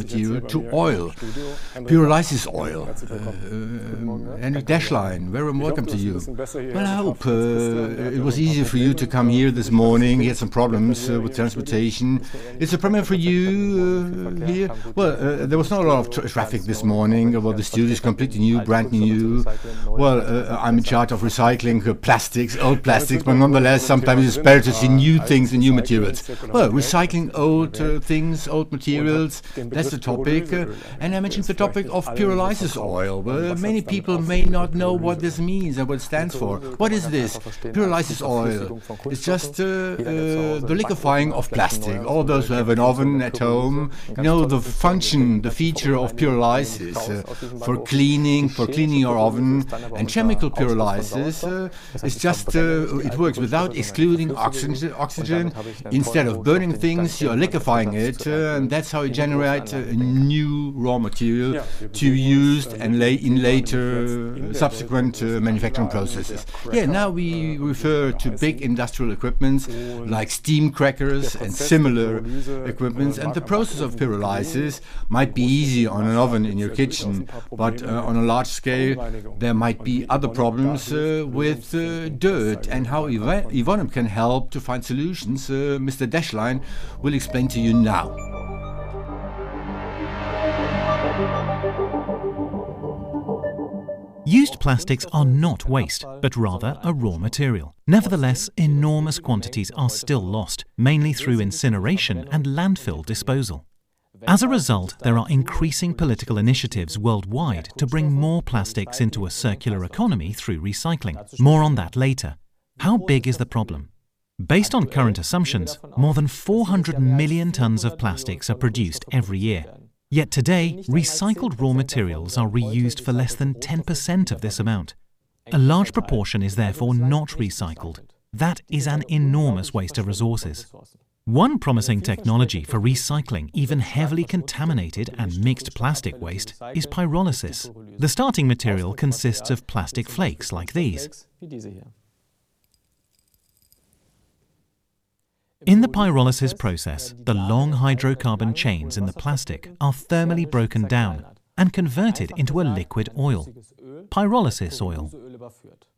material, to oil, pyrolysis oil. Hendrik Rasch, a very warm welcome to you. I hope it was easier for you to come here this morning. You had some problems with transportation. It's a premiere for you here. There was not a lot of traffic this morning. The studio's completely new, brand new. I'm in charge of recycling plastics, old plastics, but nonetheless, sometimes it's better to see new things and new materials. Recycling old things, old materials, that's the topic. I mentioned the topic of pyrolysis oil. Many people may not know what this means and what it stands for. What is this, pyrolysis oil? It's just the liquefying of plastic. All those who have an oven at home know the function, the feature of pyrolysis for cleaning your oven. Chemical pyrolysis, it works without excluding oxygen. Instead of burning things, you are liquefying it, and that's how you generate a new raw material to use in later subsequent manufacturing processes. Here, now we refer to big industrial equipment like steam crackers and similar equipment. The process of pyrolysis might be easy on an oven in your kitchen, but on a large scale, there might be other problems with dirt. How Evonik can help to find solutions, Mr. Däschlein will explain to you now. Used plastics are not waste, but rather a raw material. Nevertheless, enormous quantities are still lost, mainly through incineration and landfill disposal. As a result, there are increasing political initiatives worldwide to bring more plastics into a circular economy through recycling. More on that later. How big is the problem? Based on current assumptions, more than 400 million tons of plastics are produced every year. Yet today, recycled raw materials are reused for less than 10% of this amount. A large proportion is therefore not recycled. That is an enormous waste of resources. One promising technology for recycling even heavily contaminated and mixed plastic waste is pyrolysis. The starting material consists of plastic flakes like these. In the pyrolysis process, the long hydrocarbon chains in the plastic are thermally broken down and converted into a liquid oil, pyrolysis oil.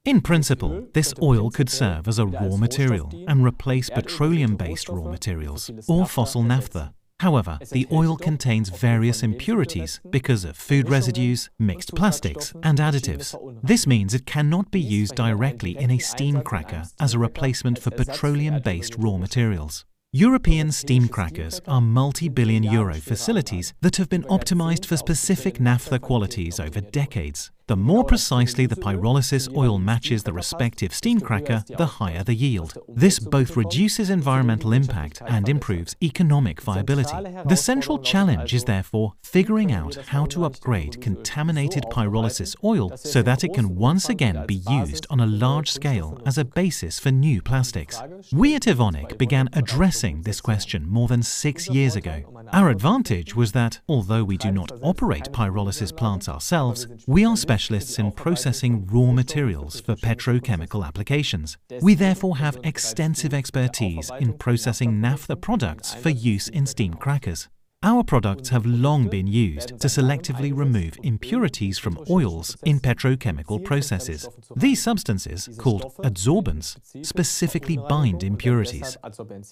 In principle, this oil could serve as a raw material and replace petroleum-based raw materials or fossil naphtha. However, the oil contains various impurities because of food residues, mixed plastics, and additives. This means it cannot be used directly in a steam cracker as a replacement for petroleum-based raw materials. European steam crackers are multi-billion euro facilities that have been optimized for specific naphtha qualities over decades. The more precisely the pyrolysis oil matches the respective steam cracker, the higher the yield. This both reduces environmental impact and improves economic viability. The central challenge is therefore figuring out how to upgrade contaminated pyrolysis oil so that it can once again be used on a large scale as a basis for new plastics. We at Evonik began addressing this question more than six years ago. Our advantage was that although we do not operate pyrolysis plants ourselves, we are specialists in processing raw materials for petrochemical applications. We therefore have extensive expertise in processing naphtha products for use in steam crackers. Our products have long been used to selectively remove impurities from oils in petrochemical processes. These substances, called adsorbents, specifically bind impurities.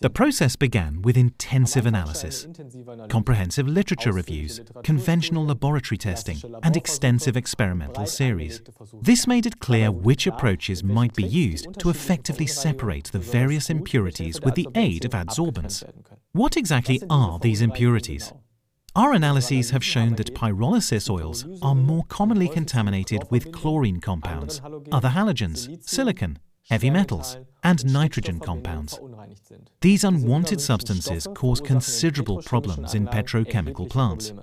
The process began with intensive analysis, comprehensive literature reviews, conventional laboratory testing, and extensive experimental series. This made it clear which approaches might be used to effectively separate the various impurities with the aid of adsorbents. What exactly are these impurities? Our analyses have shown that pyrolysis oils are more commonly contaminated with chlorine compounds, other halogens, silicon, heavy metals, and nitrogen compounds. These unwanted substances cause considerable problems in petrochemical plants.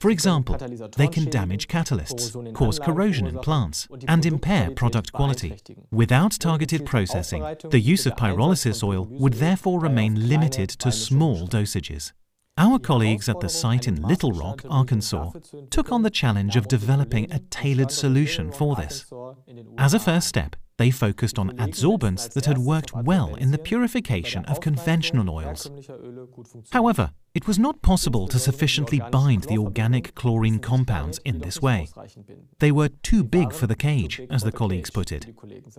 For example, they can damage catalysts, cause corrosion in plants, and impair product quality. Without targeted processing, the use of pyrolysis oil would therefore remain limited to small dosages. Our colleagues at the site in Little Rock, Arkansas, took on the challenge of developing a tailored solution for this. As a first step, they focused on adsorbents that had worked well in the purification of conventional oils. However, it was not possible to sufficiently bind the organic chlorine compounds in this way. They were too big for the cage, as the colleagues put it.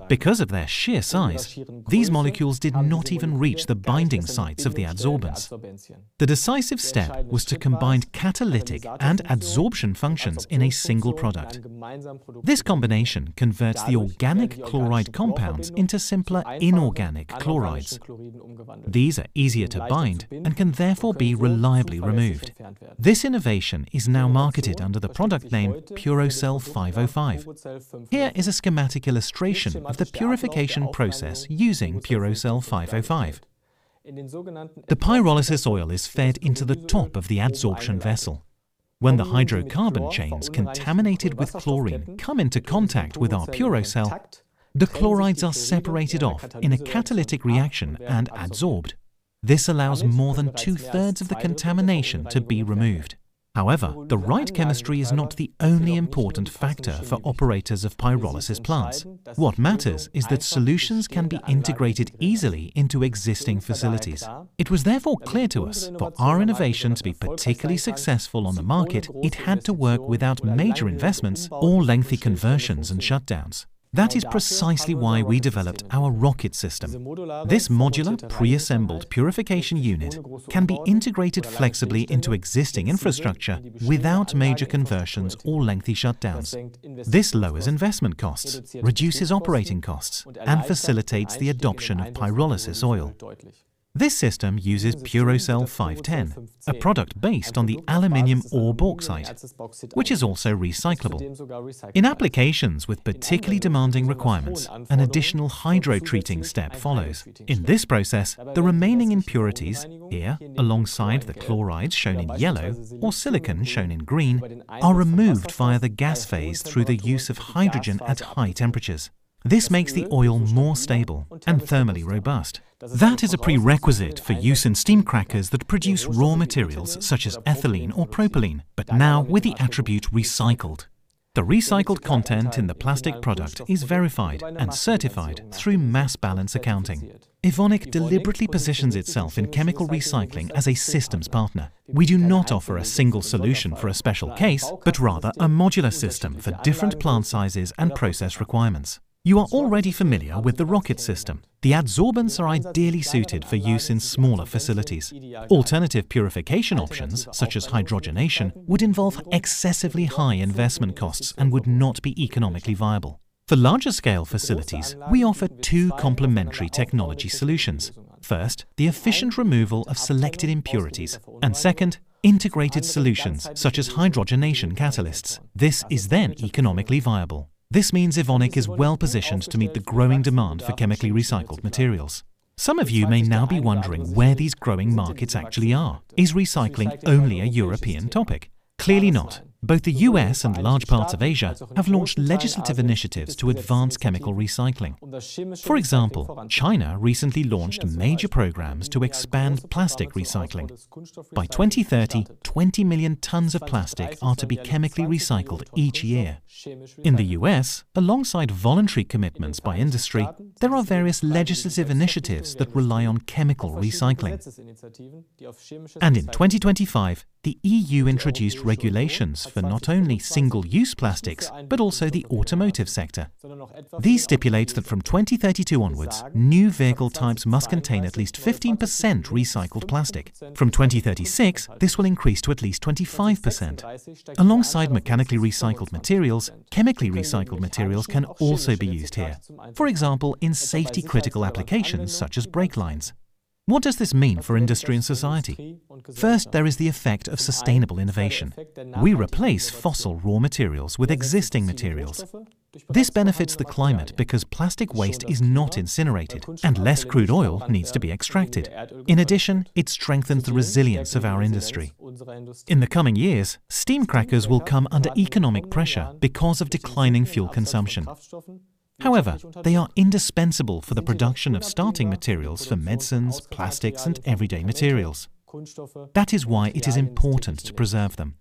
Because of their sheer size, these molecules did not even reach the binding sites of the adsorbents. The decisive step was to combine catalytic and adsorption functions in a single product. This combination converts the organic chloride compounds into simpler inorganic chlorides. These are easier to bind and can therefore be reliably removed. This innovation is now marketed under the product name Purocel 505. Here is a schematic illustration of the purification process using Purocel 505. The pyrolysis oil is fed into the top of the adsorption vessel. When the hydrocarbon chains contaminated with chlorine come into contact with our Purocel, the chlorides are separated off in a catalytic reaction and adsorbed. This allows more than two-thirds of the contamination to be removed. However, the right chemistry is not the only important factor for operators of pyrolysis plants. What matters is that solutions can be integrated easily into existing facilities. It was therefore clear to us, for our innovation to be particularly successful on the market, it had to work without major investments or lengthy conversions and shutdowns. That is precisely why we developed our Rocket System. This modular preassembled purification unit can be integrated flexibly into existing infrastructure without major conversions or lengthy shutdowns. This lowers investment costs, reduces operating costs, and facilitates the adoption of pyrolysis oil. This system uses Purocel 510, a product based on the aluminum ore bauxite, which is also recyclable. In applications with particularly demanding requirements, an additional hydrotreating step follows. In this process, the remaining impurities, here, alongside the chlorides shown in yellow or silicon shown in green, are removed via the gas phase through the use of hydrogen at high temperatures. This makes the oil more stable and thermally robust. That is a prerequisite for use in steam crackers that produce raw materials such as ethylene or propylene, but now with the attribute recycled. The recycled content in the plastic product is verified and certified through mass balance accounting. Evonik deliberately positions itself in chemical recycling as a systems partner. We do not offer a single solution for a special case, but rather a modular system for different plant sizes and process requirements. You are already familiar with the Rocket System. The adsorbents are ideally suited for use in smaller facilities. Alternative purification options, such as hydrogenation, would involve excessively high investment costs and would not be economically viable. For larger scale facilities, we offer two complementary technology solutions. First, the efficient removal of selected impurities, and second, integrated solutions such as hydrogenation catalysts. This is then economically viable. This means Evonik is well-positioned to meet the growing demand for chemically recycled materials. Some of you may now be wondering where these growing markets actually are. Is recycling only a European topic? Clearly not. Both the U.S. and large parts of Asia have launched legislative initiatives to advance chemical recycling. For example, China recently launched major programs to expand plastic recycling. By 2030, 20 million tons of plastic are to be chemically recycled each year. In the U.S., alongside voluntary commitments by industry, there are various legislative initiatives that rely on chemical recycling. In 2025, the EU introduced regulations for not only single-use plastics, but also the automotive sector. These stipulate that from 2032 onwards, new vehicle types must contain at least 15% recycled plastic. From 2036, this will increase to at least 25%. Alongside mechanically recycled materials, chemically recycled materials can also be used here. For example, in safety critical applications such as brake lines. What does this mean for industry and society? First, there is the effect of sustainable innovation. We replace fossil raw materials with existing materials. This benefits the climate because plastic waste is not incinerated and less crude oil needs to be extracted. In addition, it strengthens the resilience of our industry. In the coming years, steam crackers will come under economic pressure because of declining fuel consumption. However, they are indispensable for the production of starting materials for medicines, plastics, and everyday materials. That is why it is important to preserve them.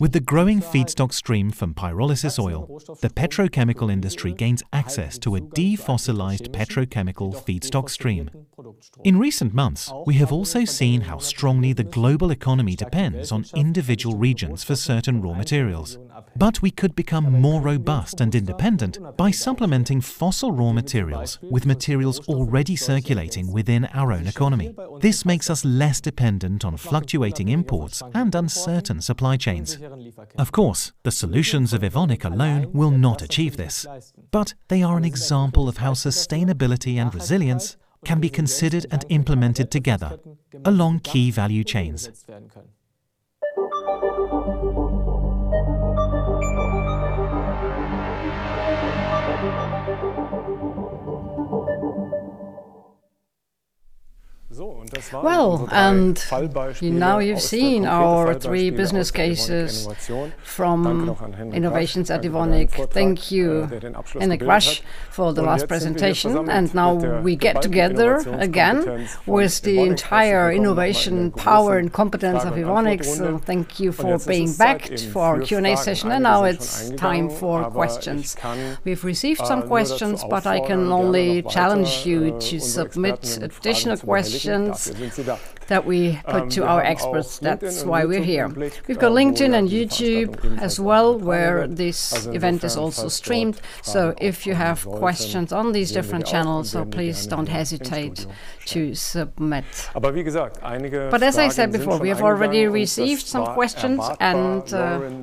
With the growing feedstock stream from pyrolysis oil, the petrochemical industry gains access to a defossilized petrochemical feedstock stream. In recent months, we have also seen how strongly the global economy depends on individual regions for certain raw materials. We could become more robust and independent by supplementing fossil raw materials with materials already circulating within our own economy. This makes us less dependent on fluctuating imports and uncertain supply chains. Of course, the solutions of Evonik alone will not achieve this. They are an example of how sustainability and resilience can be considered and implemented together along key value chains. Well, you now you've seen our three business cases from innovations at Evonik. Thank you, Hendrik Rasch, for the last presentation. Now we get together again with the entire innovation power and competence of Evonik. Thank you for being back for our Q and A session. Now it's time for questions. We've received some questions, but I can only challenge you to submit additional questions that we put to our experts. That's why we're here. We've got LinkedIn and YouTube as well, where this event is also streamed. If you have questions on these different channels, please don't hesitate to submit. As I said before, we've already received some questions and,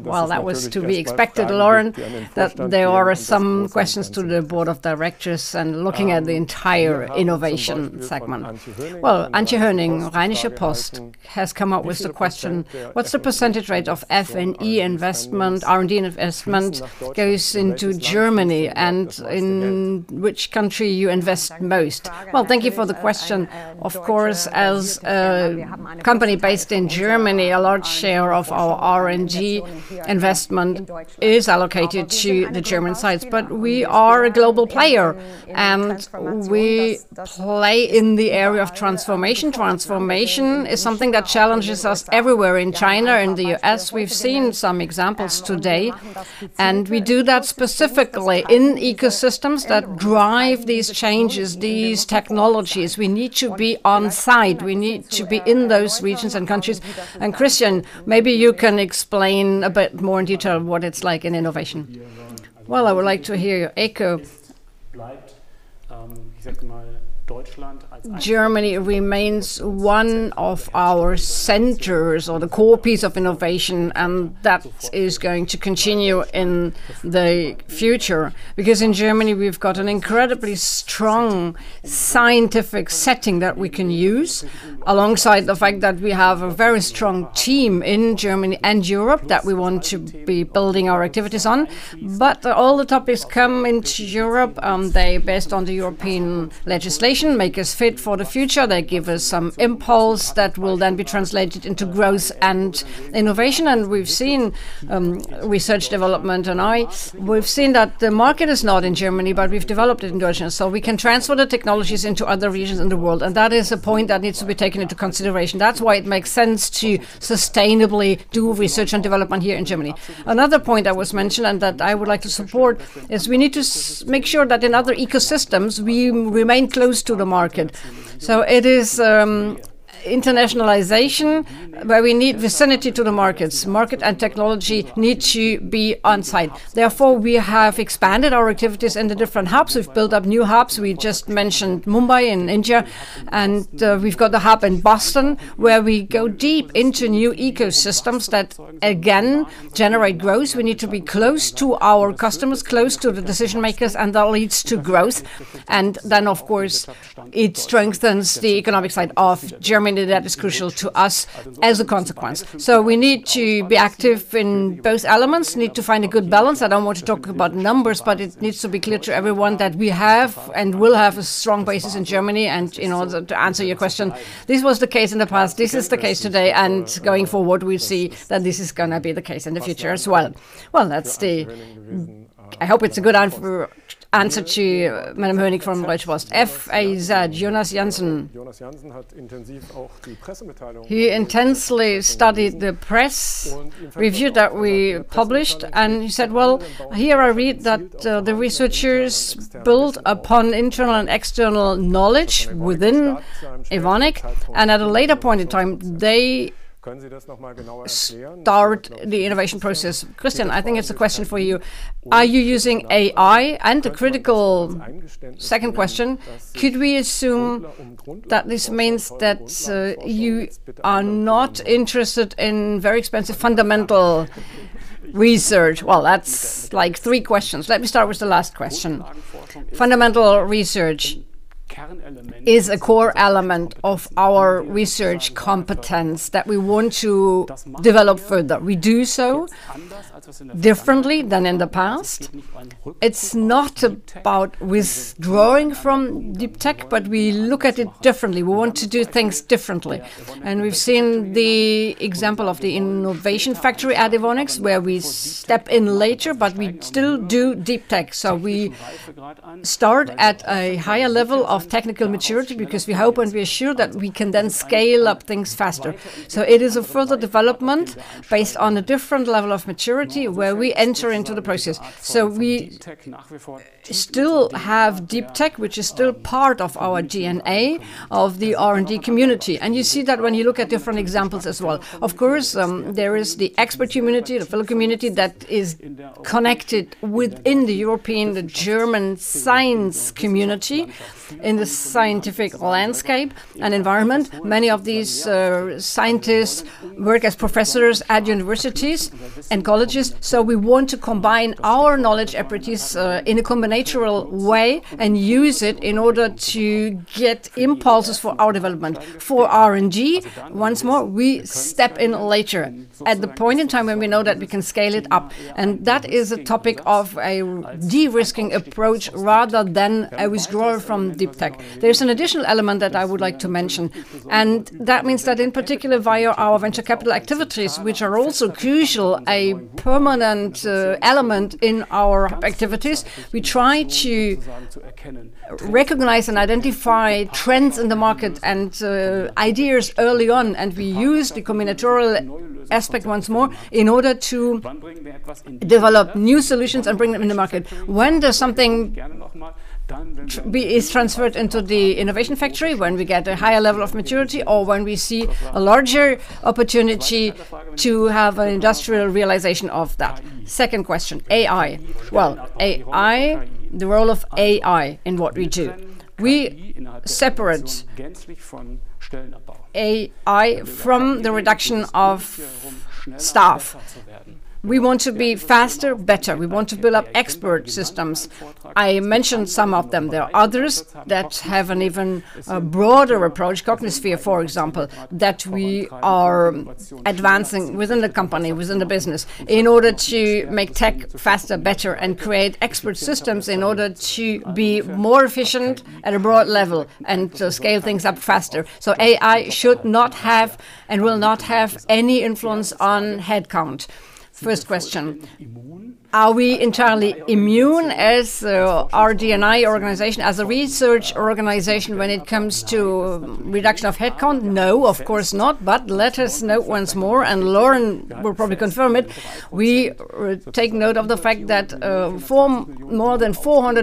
while that was to be expected, Lauren, that there are some questions to the Board of Directors and looking at the entire innovation segment. Antje Höning, Rheinische Post, has come up with the question: what's the percentage rate of F&E investment, R&D investment goes into Germany, and in which country you invest most? Thank you for the question. Of course, as a company based in Germany, a large share of our R&D investment is allocated to the German sites. We are a global player, and we play in the area of transformation. Transformation is something that challenges us everywhere in China, in the U.S., we've seen some examples today. We do that specifically in ecosystems that drive these changes, these technologies. We need to be on-site. We need to be in those regions and countries. Christian, maybe you can explain a bit more in detail what it's like in innovation. I would like to hear your echo. Germany remains one of our centers or the core piece of innovation, and that is going to continue in the future. In Germany, we've got an incredibly strong scientific setting that we can use, alongside the fact that we have a very strong team in Germany and Europe that we want to be building our activities on. All the topics come into Europe, they're based on the European legislation, make us fit for the future. They give us some impulse that will then be translated into growth and innovation. We've seen, Research Development &I, that the market is not in Germany, but we've developed it in Germany, so we can transfer the technologies into other regions in the world. That is a point that needs to be taken into consideration. That's why it makes sense to sustainably do Research and Development here in Germany. Another point that was mentioned and that I would like to support is we need to make sure that in other ecosystems, we remain close to the market. It is internationalization, where we need vicinity to the markets. Market and technology need to be on-site. Therefore, we have expanded our activities into different hubs. We've built up new hubs. We just mentioned Mumbai in India, and we've got the hub in Boston, where we go deep into new ecosystems that again, generate growth. We need to be close to our customers, close to the decision-makers, and that leads to growth. Then, of course, it strengthens the economic side of Germany that is crucial to us as a consequence. We need to be active in both elements, need to find a good balance. I don't want to talk about numbers, but it needs to be clear to everyone that we have and will have a strong basis in Germany. In order to answer your question, this was the case in the past, this is the case today, and going forward, we see that this is going to be the case in the future as well. Well, I hope it's a good answer to Madam Höning from Rheinische. FAZ, Jonas Jansen. He intensely studied the press review that we published, and he said, well, here I read that the researchers build upon internal and external knowledge within Evonik, and at a later point in time, they start the innovation process. Christian, I think it's a question for you. Are you using AI? The critical second question, could we assume that this means that you are not interested in very expensive fundamental research? Well, that's three questions. Let me start with the last question. Fundamental research is a core element of our research competence that we want to develop further. We do so differently than in the past. It's not about withdrawing from deep tech, but we look at it differently. We want to do things differently. We've seen the example of the Innovation Factory, where we step in later, but we still do deep tech. We start at a higher level of technical maturity because we hope and we are sure that we can then scale up things faster. It is a further development based on a different level of maturity where we enter into the process. We still have deep tech, which is still part of our DNA, of the R&D community. You see that when you look at different examples as well. Of course, there is the expert community, the fellow community that is connected within the European, the German science community, in the scientific landscape and environment. Many of these scientists work as professors at universities and colleges. We want to combine our knowledge expertise in a combinatorial way and use it in order to get impulses for our development. For R&D, once more, we step in later at the point in time when we know that we can scale it up. That is a topic of a de-risking approach rather than a withdrawal from deep tech. There's an additional element that I would like to mention, that means that in particular via our venture capital activities, which are also crucial, a permanent element in our activities, we try to recognize and identify trends in the market and ideas early on. We use the combinatorial aspect once more in order to develop new solutions and bring them in the market. When does something is transferred into the Innovation Factory? When we get a higher level of maturity, or when we see a larger opportunity to have an industrial realization of that. Second question, AI. Well, AI, the role of AI in what we do. We separate AI from the reduction of staff. We want to be faster, better. We want to build up expert systems. I mentioned some of them. There are others that have an even broader approach, CogniSphere, for example, that we are advancing within the company, within the business, in order to make tech faster, better, and create expert systems in order to be more efficient at a broad level and to scale things up faster. AI should not have and will not have any influence on headcount. First question, are we entirely immune as our R&D organization, as a research organization when it comes to reduction of headcount? No, of course not. Let us note once more, and Lauren will probably confirm it, we take note of the fact that more than 400 million,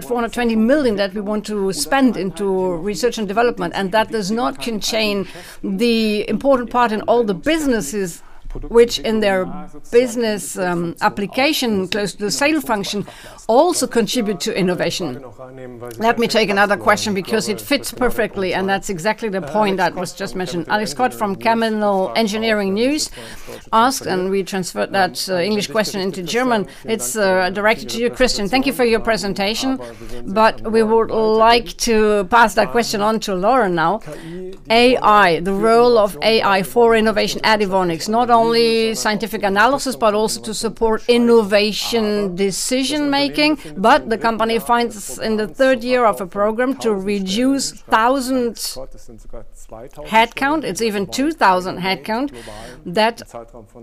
420 million that we want to spend into Research and Development, and that does not contain the important part in all the businesses, which in their business application, close to the sale function, also contribute to innovation. Let me take another question because it fits perfectly, and that's exactly the point that was just mentioned. Alex Scott from Chemical & Engineering News asked, we transferred that English question into German. It's directed to you, Christian. Thank you for your presentation, we would like to pass that question on to Lauren now. AI, the role of AI for innovation at Evonik. It's not only scientific analysis, but also to support innovation decision-making. The company finds in the third year of a program to reduce thousands headcount. It's even 2,000 headcount that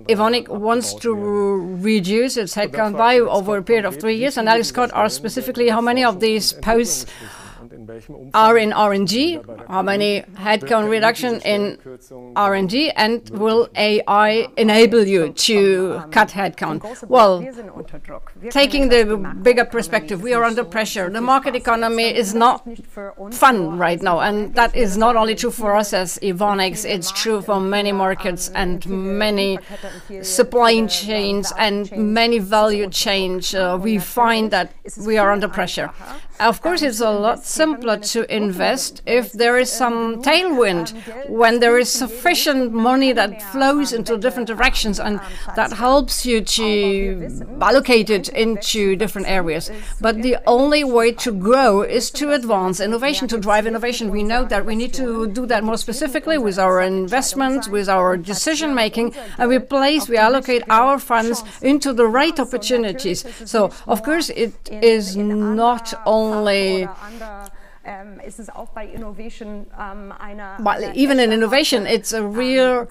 Evonik wants to reduce its headcount by over a period of three years. Alex Scott asked specifically how many of these posts are in R&D, how many headcount reduction in R&D, and will AI enable you to cut headcount? Well, taking the bigger perspective, we are under pressure. The market economy is not fun right now, that is not only true for us as Evonik. It's true for many markets and many supply chains and many value chains. We find that we are under pressure. Of course, it's a lot simpler to invest if there is some tailwind, when there is sufficient money that flows into different directions and that helps you to allocate it into different areas. The only way to grow is to advance innovation, to drive innovation. We know that we need to do that more specifically with our investment, with our decision-making, and we place, we allocate our funds into the right opportunities. Of course it is not only even in innovation, it's a real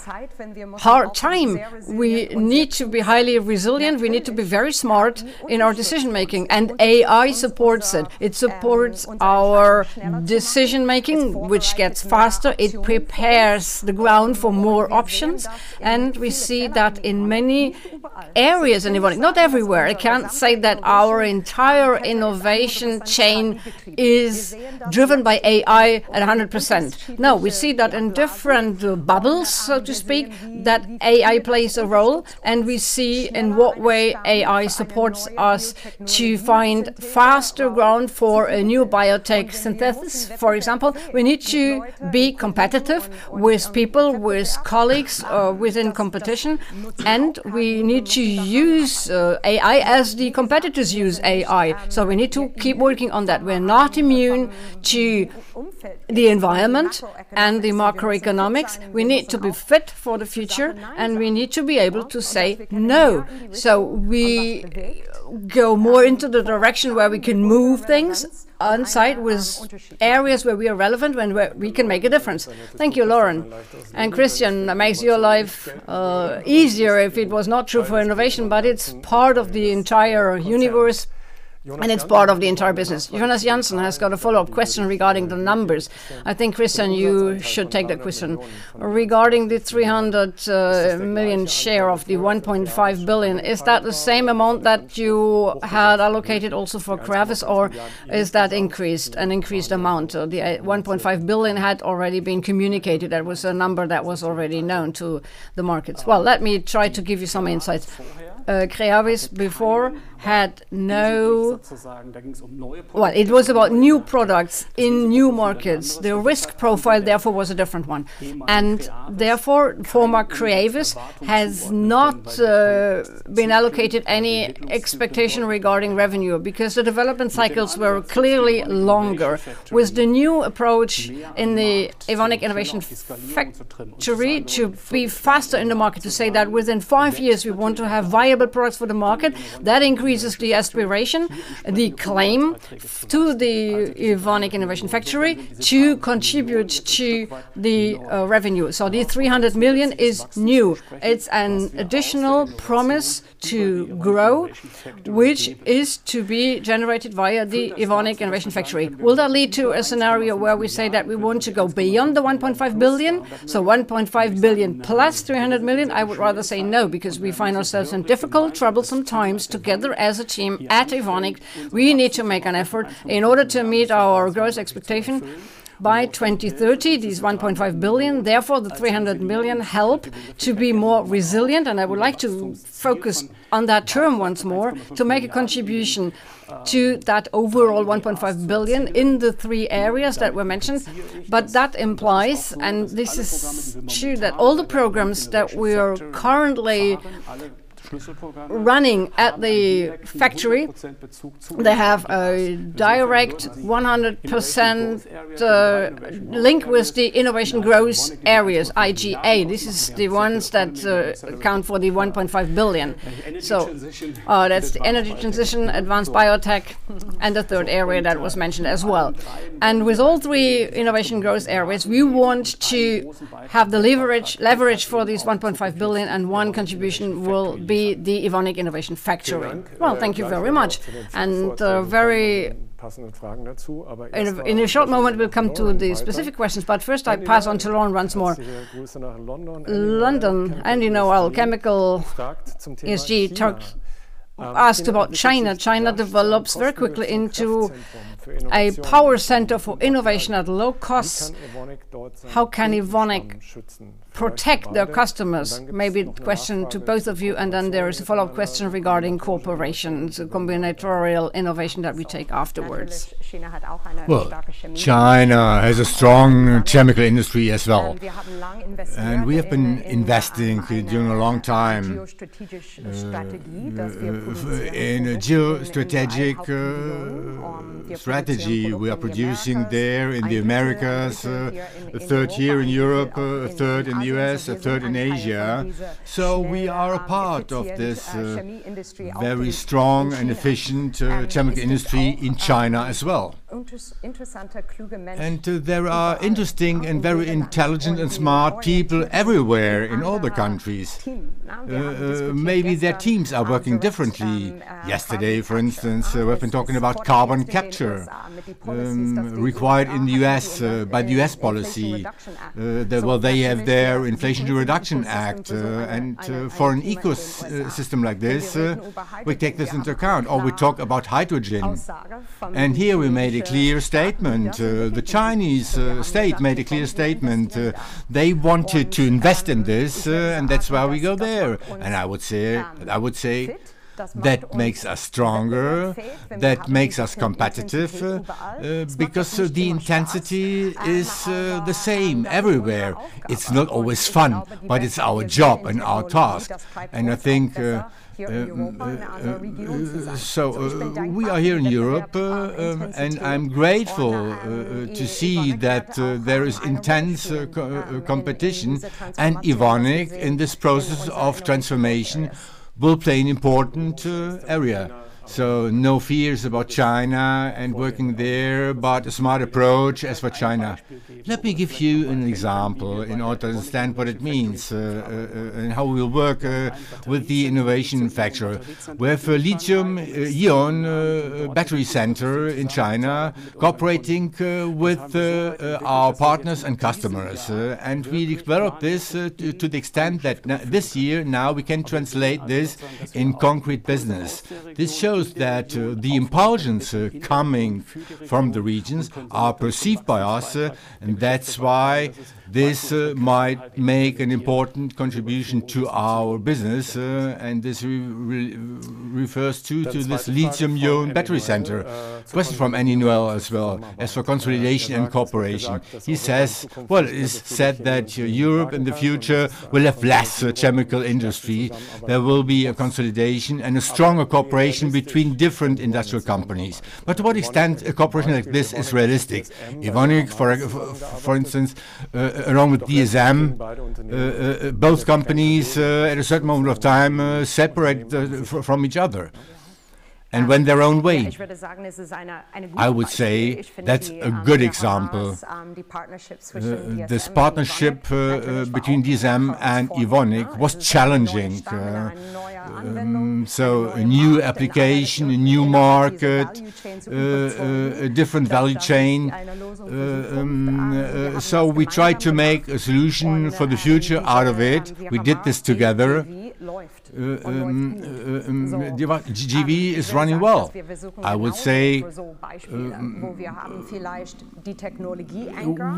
hard time. We need to be highly resilient. We need to be very smart in our decision-making, and AI supports it. It supports our decision-making, which gets faster. It prepares the ground for more options, and we see that in many areas in Evonik. Not everywhere. I can't say that our entire innovation chain is driven by AI at 100%. We see that in different bubbles, so to speak, that AI plays a role, and we see in what way AI supports us to find faster ground for a new biotech synthesis, for example. We need to be competitive with people, with colleagues within competition, and we need to use AI as the competitors use AI. We need to keep working on that. We're not immune to the environment and the macroeconomics. We need to be fit for the future, and we need to be able to say no. We go more into the direction where we can move things on site with areas where we are relevant, when we can make a difference. Thank you, Lauren. Christian, that makes your life easier if it was not true for innovation, but it's part of the entire universe. And it's part of the entire business. Jonas Jansen has got a follow-up question regarding the numbers. I think, Christian, you should take that question. Regarding the 300 million share of the 1.5 billion, is that the same amount that you had allocated also for Creavis, or is that an increased amount? The 1.5 billion had already been communicated. That was a number that was already known to the markets. Let me try to give you some insights. Creavis before had no it was about new products in new markets. The risk profile therefore was a different one, and therefore former Creavis has not been allocated any expectation regarding revenue, because the development cycles were clearly longer. With the new approach in the Evonik Innovation Factory, to be faster in the market, to say that within five years we want to have viable products for the market, that increases the aspiration, the claim to the Evonik Innovation Factory to contribute to the revenue. The 300 million is new. It's an additional promise to grow, which is to be generated via the Evonik Innovation Factory. Will that lead to a scenario where we say that we want to go beyond the 1.5 billion, 1.5 billion + 300 million? I would rather say no, because we find ourselves in difficult, troublesome times together as a team at Evonik. We need to make an effort in order to meet our growth expectation by 2030, this 1.5 billion. Therefore, the 300 million help to be more resilient, and I would like to focus on that term once more, to make a contribution to that overall 1.5 billion in the three areas that were mentioned. That implies, and this is true, that all the programs that we're currently running at the factory, they have a direct 100% link with the Innovation Growth Areas, IGA. This is the ones that account for the 1.5 billion. That's the energy transition, advanced biotech, and the third area that was mentioned as well. With all three Innovation Growth Areas, we want to have the leverage for this 1.5 billion and one contribution will be the Evonik Innovation Factory. Thank you very much. In a short moment, we will come to the specific questions, but first I pass on to Lauren once more. Andy Noël, chemicalESG asked about China. China develops very quickly into a power center for innovation at low cost. How can Evonik protect their customers? The question to both of you. Then there is a follow-up question regarding corporations, the combinatorial innovation that we take afterwards. China has a strong chemical industry as well. We have been investing during a long time in a geostrategic strategy. We are producing there in the Americas, a third here in Europe, a third in the U.S., a third in Asia. We are a part of this very strong and efficient chemical industry in China as well. There are interesting and very intelligent and smart people everywhere in all the countries. Their teams are working differently. Yesterday, for instance, we have been talking about carbon capture, required in the U.S. by the U.S. policy. They have their Inflation Reduction Act. For an ecosystem like this, we take this into account, or we talk about hydrogen. Here we made a clear statement. The Chinese state made a clear statement. They wanted to invest in this, and that's why we go there. I would say that makes us stronger, that makes us competitive, because the intensity is the same everywhere. It's not always fun, but it's our job and our task. We are here in Europe, and I'm grateful to see that there is intense competition. Evonik in this process of transformation will play an important area. No fears about China and working there, but a smart approach as for China. Let me give you an example in order to understand what it means, and how we will work with the Evonik Innovation Factory. We have a lithium ion battery center in China, cooperating with our partners and customers. We developed this to the extent that this year now we can translate this in concrete business. This shows that the impulsions coming from the regions are perceived by us. That's why this might make an important contribution to our business. This refers to this lithium ion battery center. Question from Andy Noël as well, as for consolidation and cooperation. He says, it's said that Europe in the future will have less chemical industry. There will be a consolidation and a stronger cooperation between different industrial companies. To what extent a cooperation like this is realistic? Evonik, for instance, along with DSM, both companies at a certain moment of time separated from each other and went their own way. I would say that's a good example. This partnership between DSM and Evonik was challenging. A new application, a new market, a different value chain. We tried to make a solution for the future out of it. We did this together. GV is running well. I would say,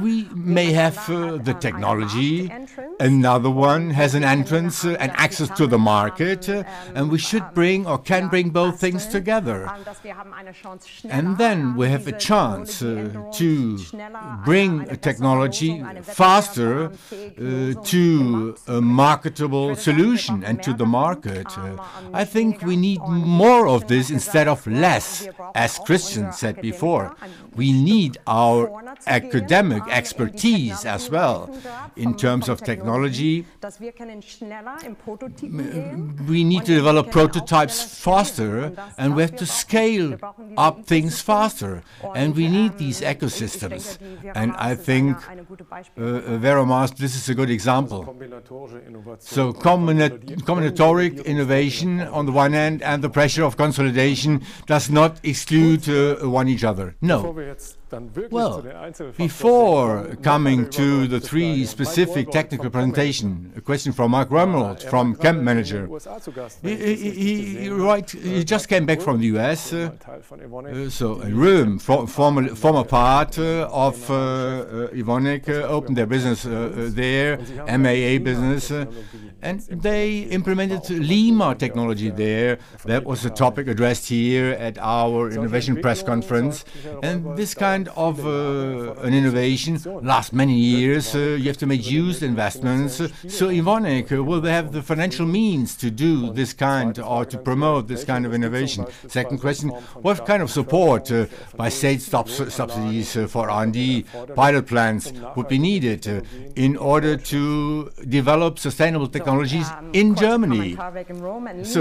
we may have the technology. Another one has an entrance and access to the market, and we should bring or can bring both things together. Then we have a chance to bring a technology faster to a marketable solution and to the market. I think we need more of this instead of less, as Christian said before. We need our academic expertise as well in terms of technology. We need to develop prototypes faster, and we have to scale up things faster. We need these ecosystems. I think Veramaris, this is a good example. Combinatoric innovation on the one end and the pressure of consolidation does not exclude one each other. No. Before coming to the three specific technical presentation, a question from Mark Romuald from CHEManager. He just came back from the U.S., Röhm, former part of Evonik, opened their business there, MMA business, and they implemented LiMA technology there. That was a topic addressed here at our innovation press conference. This kind of an innovation lasts many years. You have to make use investments. Evonik, will they have the financial means to do this kind or to promote this kind of innovation? Second question, what kind of support by state subsidies for R&D pilot plants would be needed in order to develop sustainable technologies in Germany?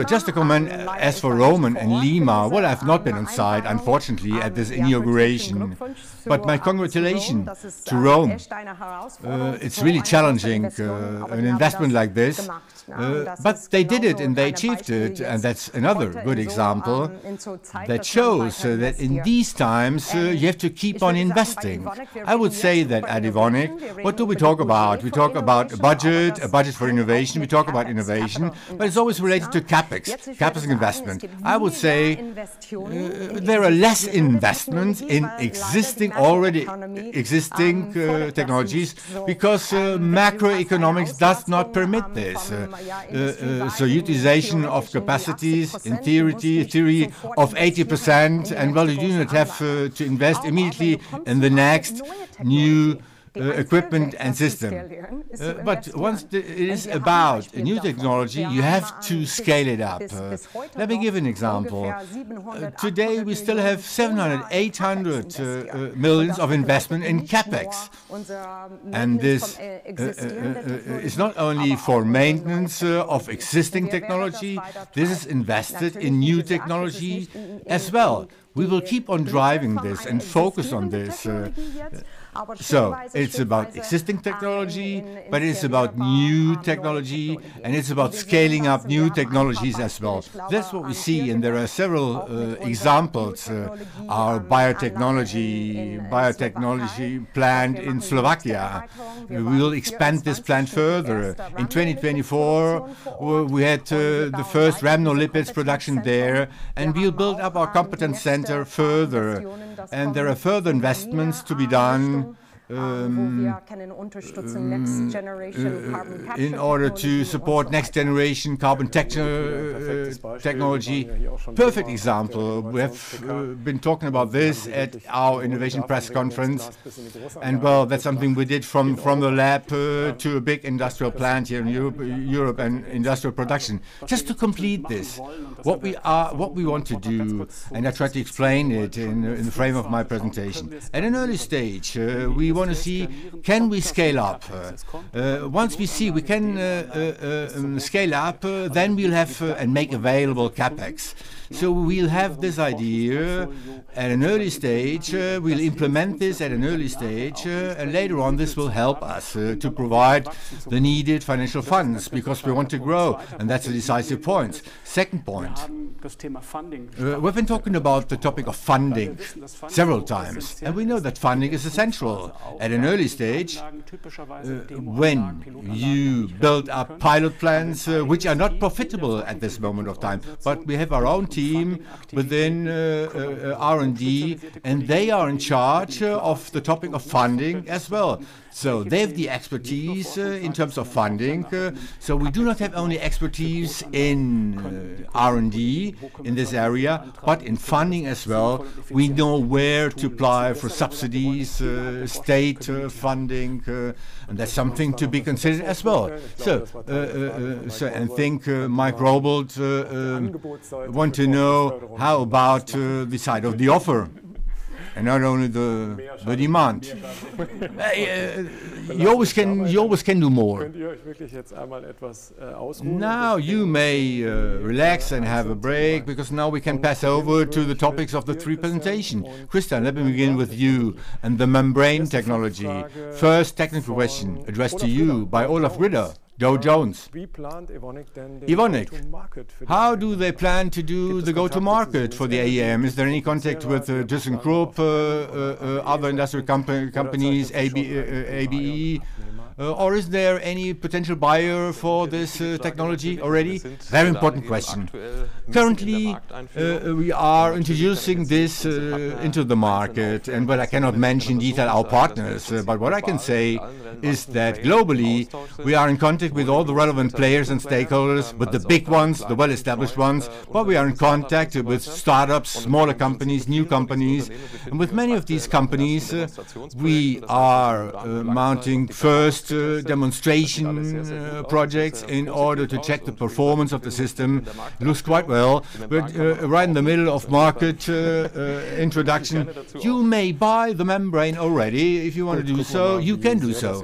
Just to comment, as for Röhm and LiMA, I've not been inside, unfortunately, at this inauguration, my congratulations to Röhm. It's really challenging, an investment like this. They did it, and they achieved it, and that's another good example that shows that in these times, you have to keep on investing. I would say that at Evonik, what do we talk about? We talk about a budget, a budget for innovation. We talk about innovation, but it's always related to CapEx, capital investment. I would say there are less investments in existing, already existing technologies because macroeconomics does not permit this. Utilization of capacities in theory of 80%, you do not have to invest immediately in the next new equipment and system. Once it is about a new technology, you have to scale it up. Let me give an example. Today, we still have 700 million-800 million of investment in CapEx. This is not only for maintenance of existing technology. This is invested in new technology as well. We will keep on driving this and focus on this. It's about existing technology, but it's about new technology, and it's about scaling up new technologies as well. That's what we see, and there are several examples. Our biotechnology plant in Slovakia. We will expand this plant further. In 2024, we had the first rhamnolipids production there, and we'll build up our competence center further. There are further investments to be done in order to support next generation carbon technology. Perfect example. We have been talking about this at our innovation press conference, well, that's something we did from the lab to a big industrial plant here in Europe and industrial production. Just to complete this, what we want to do, I tried to explain it in the frame of my presentation. At an early stage, we want to see, can we scale up? Once we see we can scale up, we'll have and make available CapEx. We'll have this idea at an early stage. We'll implement this at an early stage, later on, this will help us to provide the needed financial funds because we want to grow, and that's a decisive point. Second point, we've been talking about the topic of funding several times, we know that funding is essential at an early stage when you build up pilot plans, which are not profitable at this moment of time. We have our own team within R&D, and they are in charge of the topic of funding as well. They have the expertise in terms of funding. We do not have only expertise in R&D in this area, but in funding as well. We know where to apply for subsidies, state funding, and that's something to be considered as well. I think Mark Romuald want to know how about the side of the offer and not only the demand. You always can do more. Now you may relax and have a break because now we can pass over to the topics of the three presentation. Christian, let me begin with you and the membrane technology. First technical question addressed to you by Olaf Ritter, Dow Jones. Evonik, how do they plan to do the go-to market for the AEM? Is there any contact with ThyssenKrupp, other industrial companies, ABB, or is there any potential buyer for this technology already? Very important question. Currently, we are introducing this into the market, but I cannot mention in detail our partners. What I can say is that globally, we are in contact with all the relevant players and stakeholders, with the big ones, the well-established ones. We are in contact with startups, smaller companies, new companies, and with many of these companies, we are mounting first demonstration projects in order to check the performance of the system. It looks quite well. Right in the middle of market introduction, you may buy the membrane already. If you want to do so, you can do so.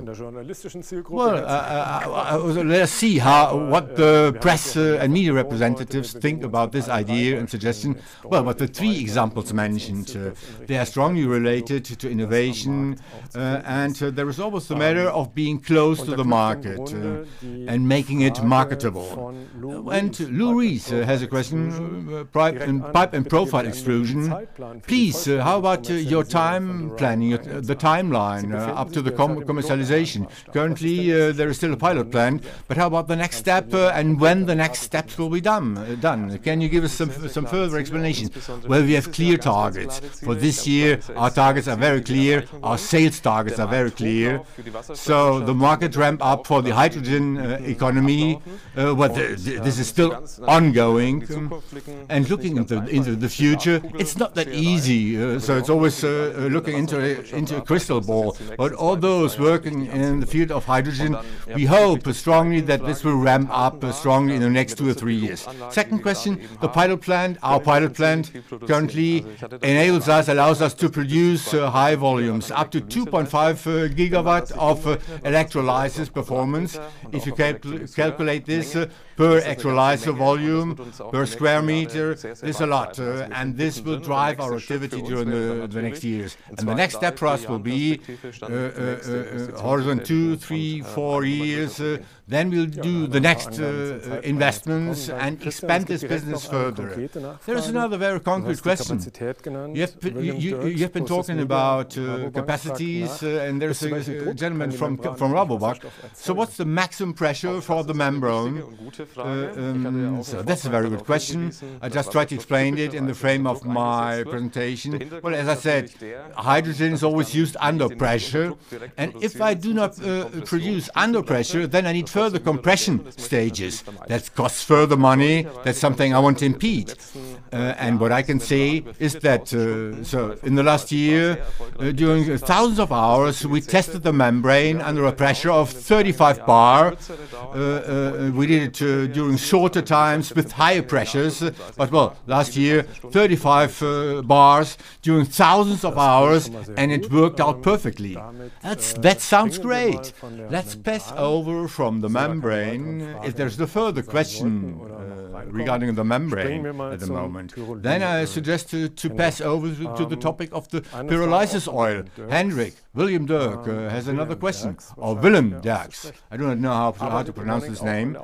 Well, let's see what the press and media representatives think about this idea and suggestion. Well, the three examples mentioned, they are strongly related to innovation, and there is always the matter of being close to the market and making it marketable. Lou Reese has a question, pipe and profile extrusion. Please, how about your time planning, the timeline up to the commercialization? Currently, there is still a pilot plant, how about the next step and when the next steps will be done? Can you give us some further explanation? Well, we have clear targets. For this year, our targets are very clear, our sales targets are very clear. The market ramp-up for the hydrogen economy, this is still ongoing. Looking into the future, it's not that easy. It's always looking into a crystal ball. All those working in the field of hydrogen, we hope strongly that this will ramp-up strongly in the next two or three years. Second question, the pilot plant. Our pilot plant currently allows us to produce high volumes, up to 2.5 GW of electrolysis performance. If you calculate this per electrolyzer volume per square meter, it's a lot. This will drive our activity during the next years. The next step for us will be horizon two, three, four years, then we'll do the next investments and expand this business further. There is another very concrete question. You have been talking about capacities, there's a gentleman from Rautenbach. What's the maximum pressure for the membrane? That's a very good question. I just tried to explain it in the frame of my presentation. As I said, hydrogen is always used under pressure, if I do not produce under pressure, then I need further compression stages. That costs further money. That's something I want to impede. What I can say is that, in the last year, during thousands of hours, we tested the membrane under a pressure of 35 bar. We did it during shorter times with higher pressures. Well, last year, 35 bar during thousands of hours, and it worked out perfectly. That sounds great. Let's pass over from the membrane if there's no further question regarding the membrane at the moment. I suggest to pass over to the topic of the pyrolysis oil. Hendrik, Willem Dirks has another question, or Willem Dirks. I do not know how to pronounce his name.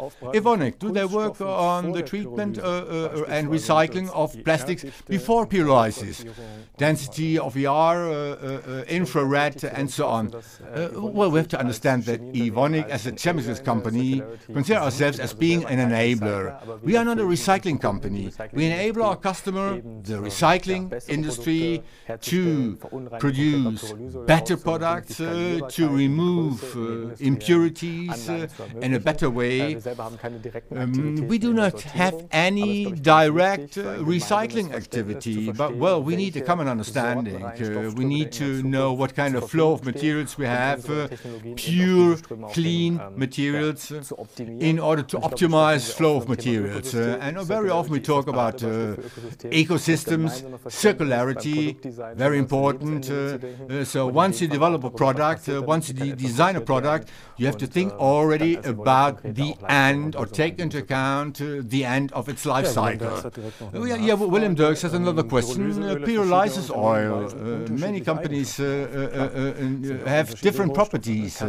Evonik, do they work on the treatment and recycling of plastics before pyrolysis? Density of IR, infrared, and so on. Well, we have to understand that Evonik, as a chemicals company, consider ourselves as being an enabler. We are not a recycling company. We enable our customer, the recycling industry, to produce better products, to remove impurities in a better way. We do not have any direct recycling activity, well, we need a common understanding. We need to know what kind of flow of materials we have, pure, clean materials, in order to optimize flow of materials. I know very often we talk about ecosystems, circularity, very important. Once you develop a product, once you design a product, you have to think already about the end or take into account the end of its life cycle. Yeah, Willem Dirks has another question. Pyrolysis oil. Many companies have different properties,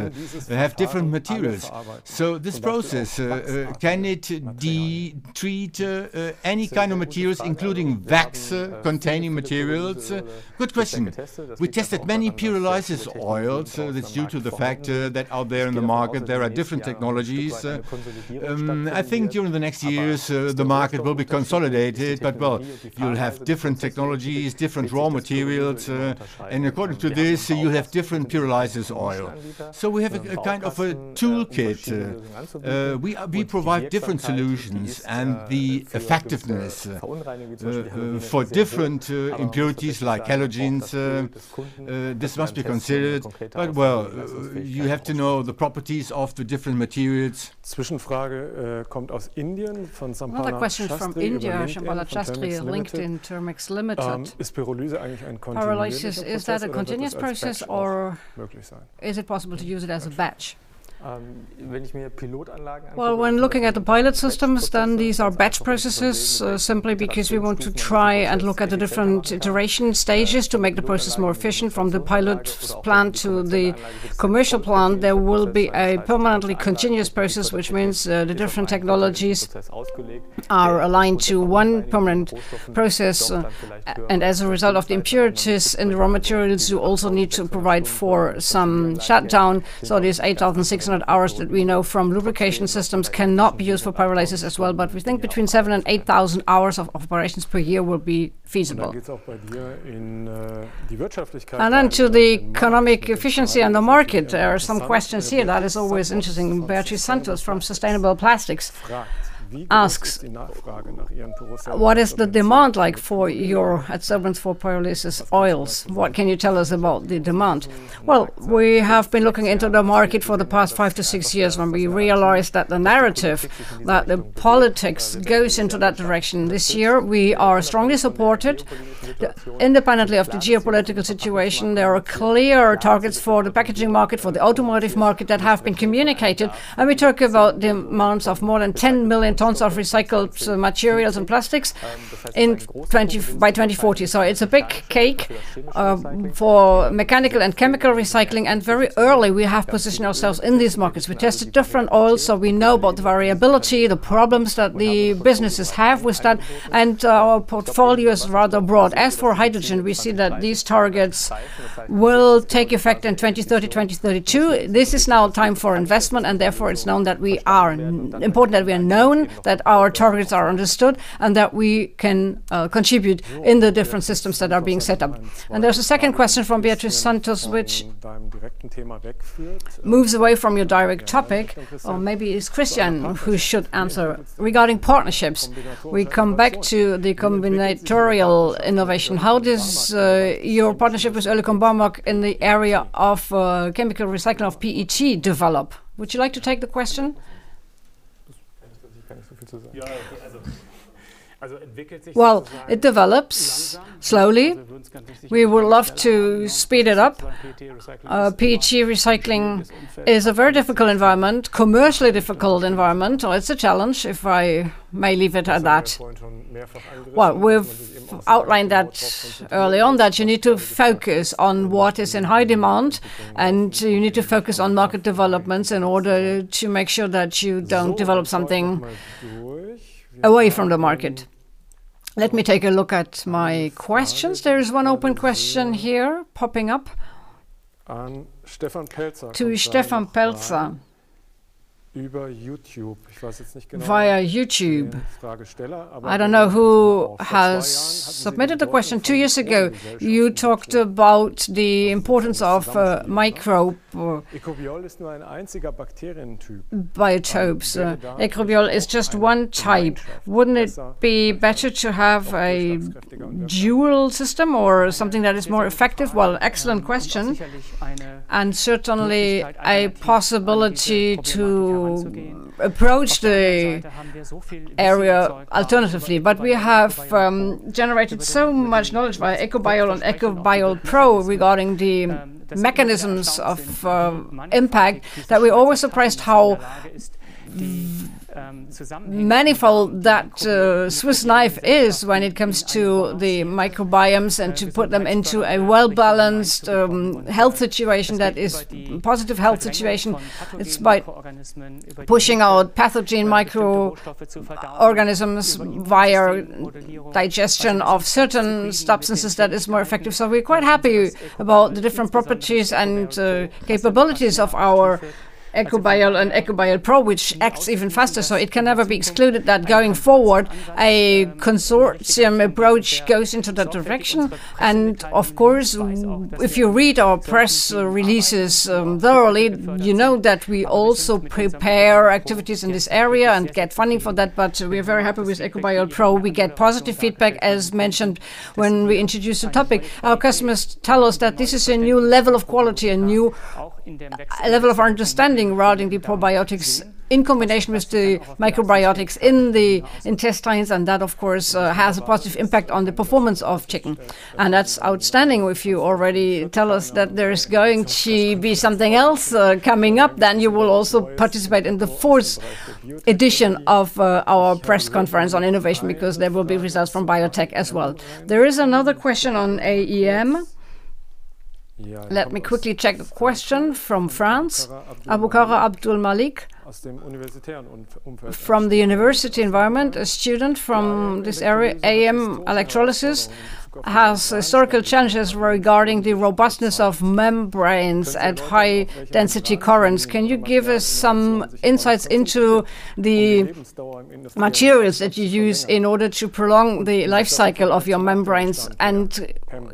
have different materials. This process, can it de-treat any kind of materials, including VACS-containing materials? Good question. We tested many pyrolysis oils. That's due to the fact that out there in the market, there are different technologies. I think during the next years, the market will be consolidated, well, you'll have different technologies, different raw materials, and according to this, you will have different pyrolysis oil. We have a kind of a toolkit. We provide different solutions, and the effectiveness for different impurities like halogens, this must be considered. Well, you have to know the properties of the different materials. Another question from India, Shyamala Shastry, LinkedIn, Thermax Limited. Pyrolysis, is that a continuous process, or is it possible to use it as a batch? Well, when looking at the pilot systems, these are batch processes, simply because we want to try and look at the different iteration stages to make the process more efficient. From the pilot plant to the commercial plant, there will be a permanently continuous process, which means the different technologies are aligned to one permanent process. As a result of the impurities in the raw materials, you also need to provide for some shutdown. These 8,600 hours that we know from lubrication systems cannot be used for pyrolysis as well. We think between 7,000 and 8,000 hours of operations per year will be feasible. Then to the economic efficiency in the market, there are some questions here that is always interesting. Beatriz Santos from Sustainable Plastics asks, what is the demand like for your H74 pyrolysis oils? What can you tell us about the demand? Well, we have been looking into the market for the past five to six years when we realized that the narrative, that the politics goes into that direction. This year, we are strongly supported. Independently of the geopolitical situation, there are clear targets for the packaging market, for the automotive market that have been communicated, we talk about the amounts of more than 10 million tons of recycled materials and plastics by 2040. It's a big cake for mechanical and chemical recycling, very early we have positioned ourselves in these markets. We tested different oils, we know about the variability, the problems that the businesses have with that, and our portfolio is rather broad. As for hydrogen, we see that these targets will take effect in 2030, 2032. This is now time for investment. Therefore, it's important that we are known, that our targets are understood, and that we can contribute in the different systems that are being set up. There's a second question from Beatriz Santos, which moves away from your direct topic, or maybe it's Christian who should answer. Regarding partnerships, we come back to the combinatorial innovation. How does your partnership with Oerlikon Barmag in the area of chemical recycling of PET develop? Would you like to take the question? It develops slowly. We would love to speed it up. PET recycling is a very difficult environment, commercially difficult environment. It's a challenge, if I may leave it at that. We've outlined that early on, that you need to focus on what is in high demand, and you need to focus on market developments in order to make sure that you don't develop something away from the market. Let me take a look at my questions. There is one open question here popping up to Stefan Pelzer via YouTube. I don't know who has submitted the question. Two years ago, you talked about the importance of microbe biotopes. Ecobiol is just one type. Wouldn't it be better to have a dual system or something that is more effective? Excellent question, and certainly a possibility to approach the area alternatively. We have generated so much knowledge via Ecobiol and Ecobiol PRO regarding the mechanisms of impact that we're always surprised how manifold that Swiss Knife is when it comes to the microbiomes and to put them into a well-balanced health situation that is positive health situation. It's by pushing out pathogen microorganisms via digestion of certain substances that is more effective. We're quite happy about the different properties and capabilities of our Ecobiol and Ecobiol PRO, which acts even faster. It can never be excluded that going forward, a consortium approach goes into that direction. Of course, if you read our press releases thoroughly, you know that we also prepare activities in this area and get funding for that. We are very happy with Ecobiol PRO. We get positive feedback, as mentioned when we introduced the topic. Our customers tell us that this is a new level of quality, a new level of our understanding regarding the probiotics in combination with the microbiotics in the intestines, and that, of course, has a positive impact on the performance of chicken. That's outstanding. If you already tell us that there is going to be something else coming up, then you will also participate in the fourth edition of our press conference on innovation because there will be results from biotech as well. There is another question on AEM. Let me quickly check the question from France. Abubakar Abdulmalik from the University Environment, a student from this area, AEM electrolysis has historical challenges regarding the robustness of membranes at high-density currents. Can you give us some insights into the materials that you use in order to prolong the life cycle of your membranes?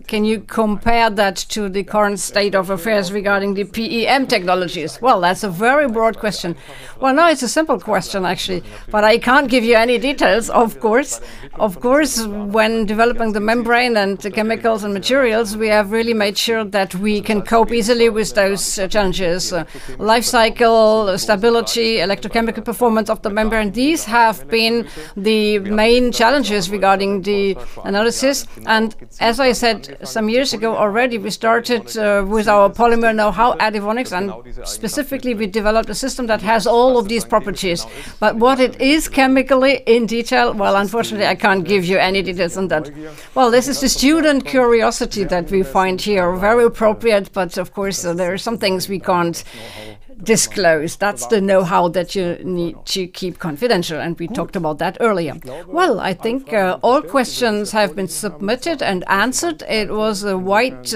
Can you compare that to the current state of affairs regarding the PEM technologies? Well, that's a very broad question. Well, no, it's a simple question, actually, but I can't give you any details, of course. Of course, when developing the membrane and the chemicals and materials, we have really made sure that we can cope easily with those challenges. Life cycle, stability, electrochemical performance of the membrane, these have been the main challenges regarding the analysis. As I said some years ago already, we started with our polymer know-how, at Evonik's, and specifically, we developed a system that has all of these properties. But what it is chemically in detail, well, unfortunately, I can't give you any details on that. Well, this is the student curiosity that we find here very appropriate, but of course, there are some things we can't disclose. That's the knowhow that you need to keep confidential. We talked about that earlier. I think all questions have been submitted and answered. It was a wide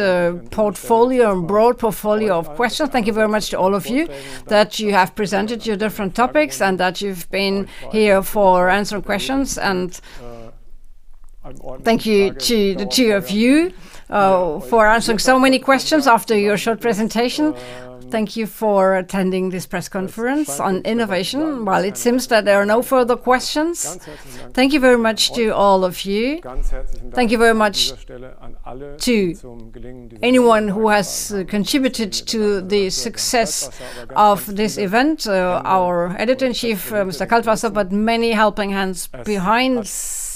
portfolio and broad portfolio of questions. Thank you very much to all of you that you have presented your different topics and that you've been here for answering questions. Thank you to the two of you for answering so many questions after your short presentation. Thank you for attending this press conference on innovation. It seems that there are no further questions. Thank you very much to all of you. Thank you very much to anyone who has contributed to the success of this event, our editor-in-chief, Mr. Kaltwaßer, but many helping hands behind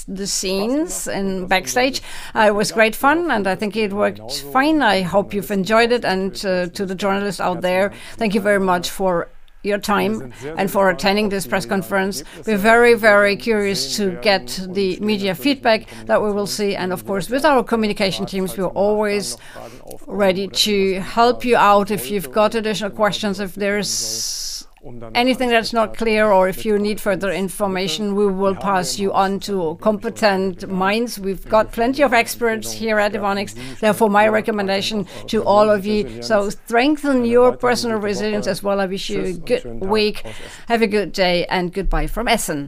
the scenes and backstage. It was great fun. I think it worked fine. I hope you've enjoyed it. To the journalists out there, thank you very much for your time and for attending this press conference. We're very, very curious to get the media feedback that we will see. Of course, with our communication teams, we're always ready to help you out if you've got additional questions, if there's anything that's not clear, or if you need further information, we will pass you on to competent minds. We've got plenty of experts here at Evonik. Therefore, my recommendation to all of you, strengthen your personal resilience as well. I wish you a good week. Have a good day. Goodbye from Essen.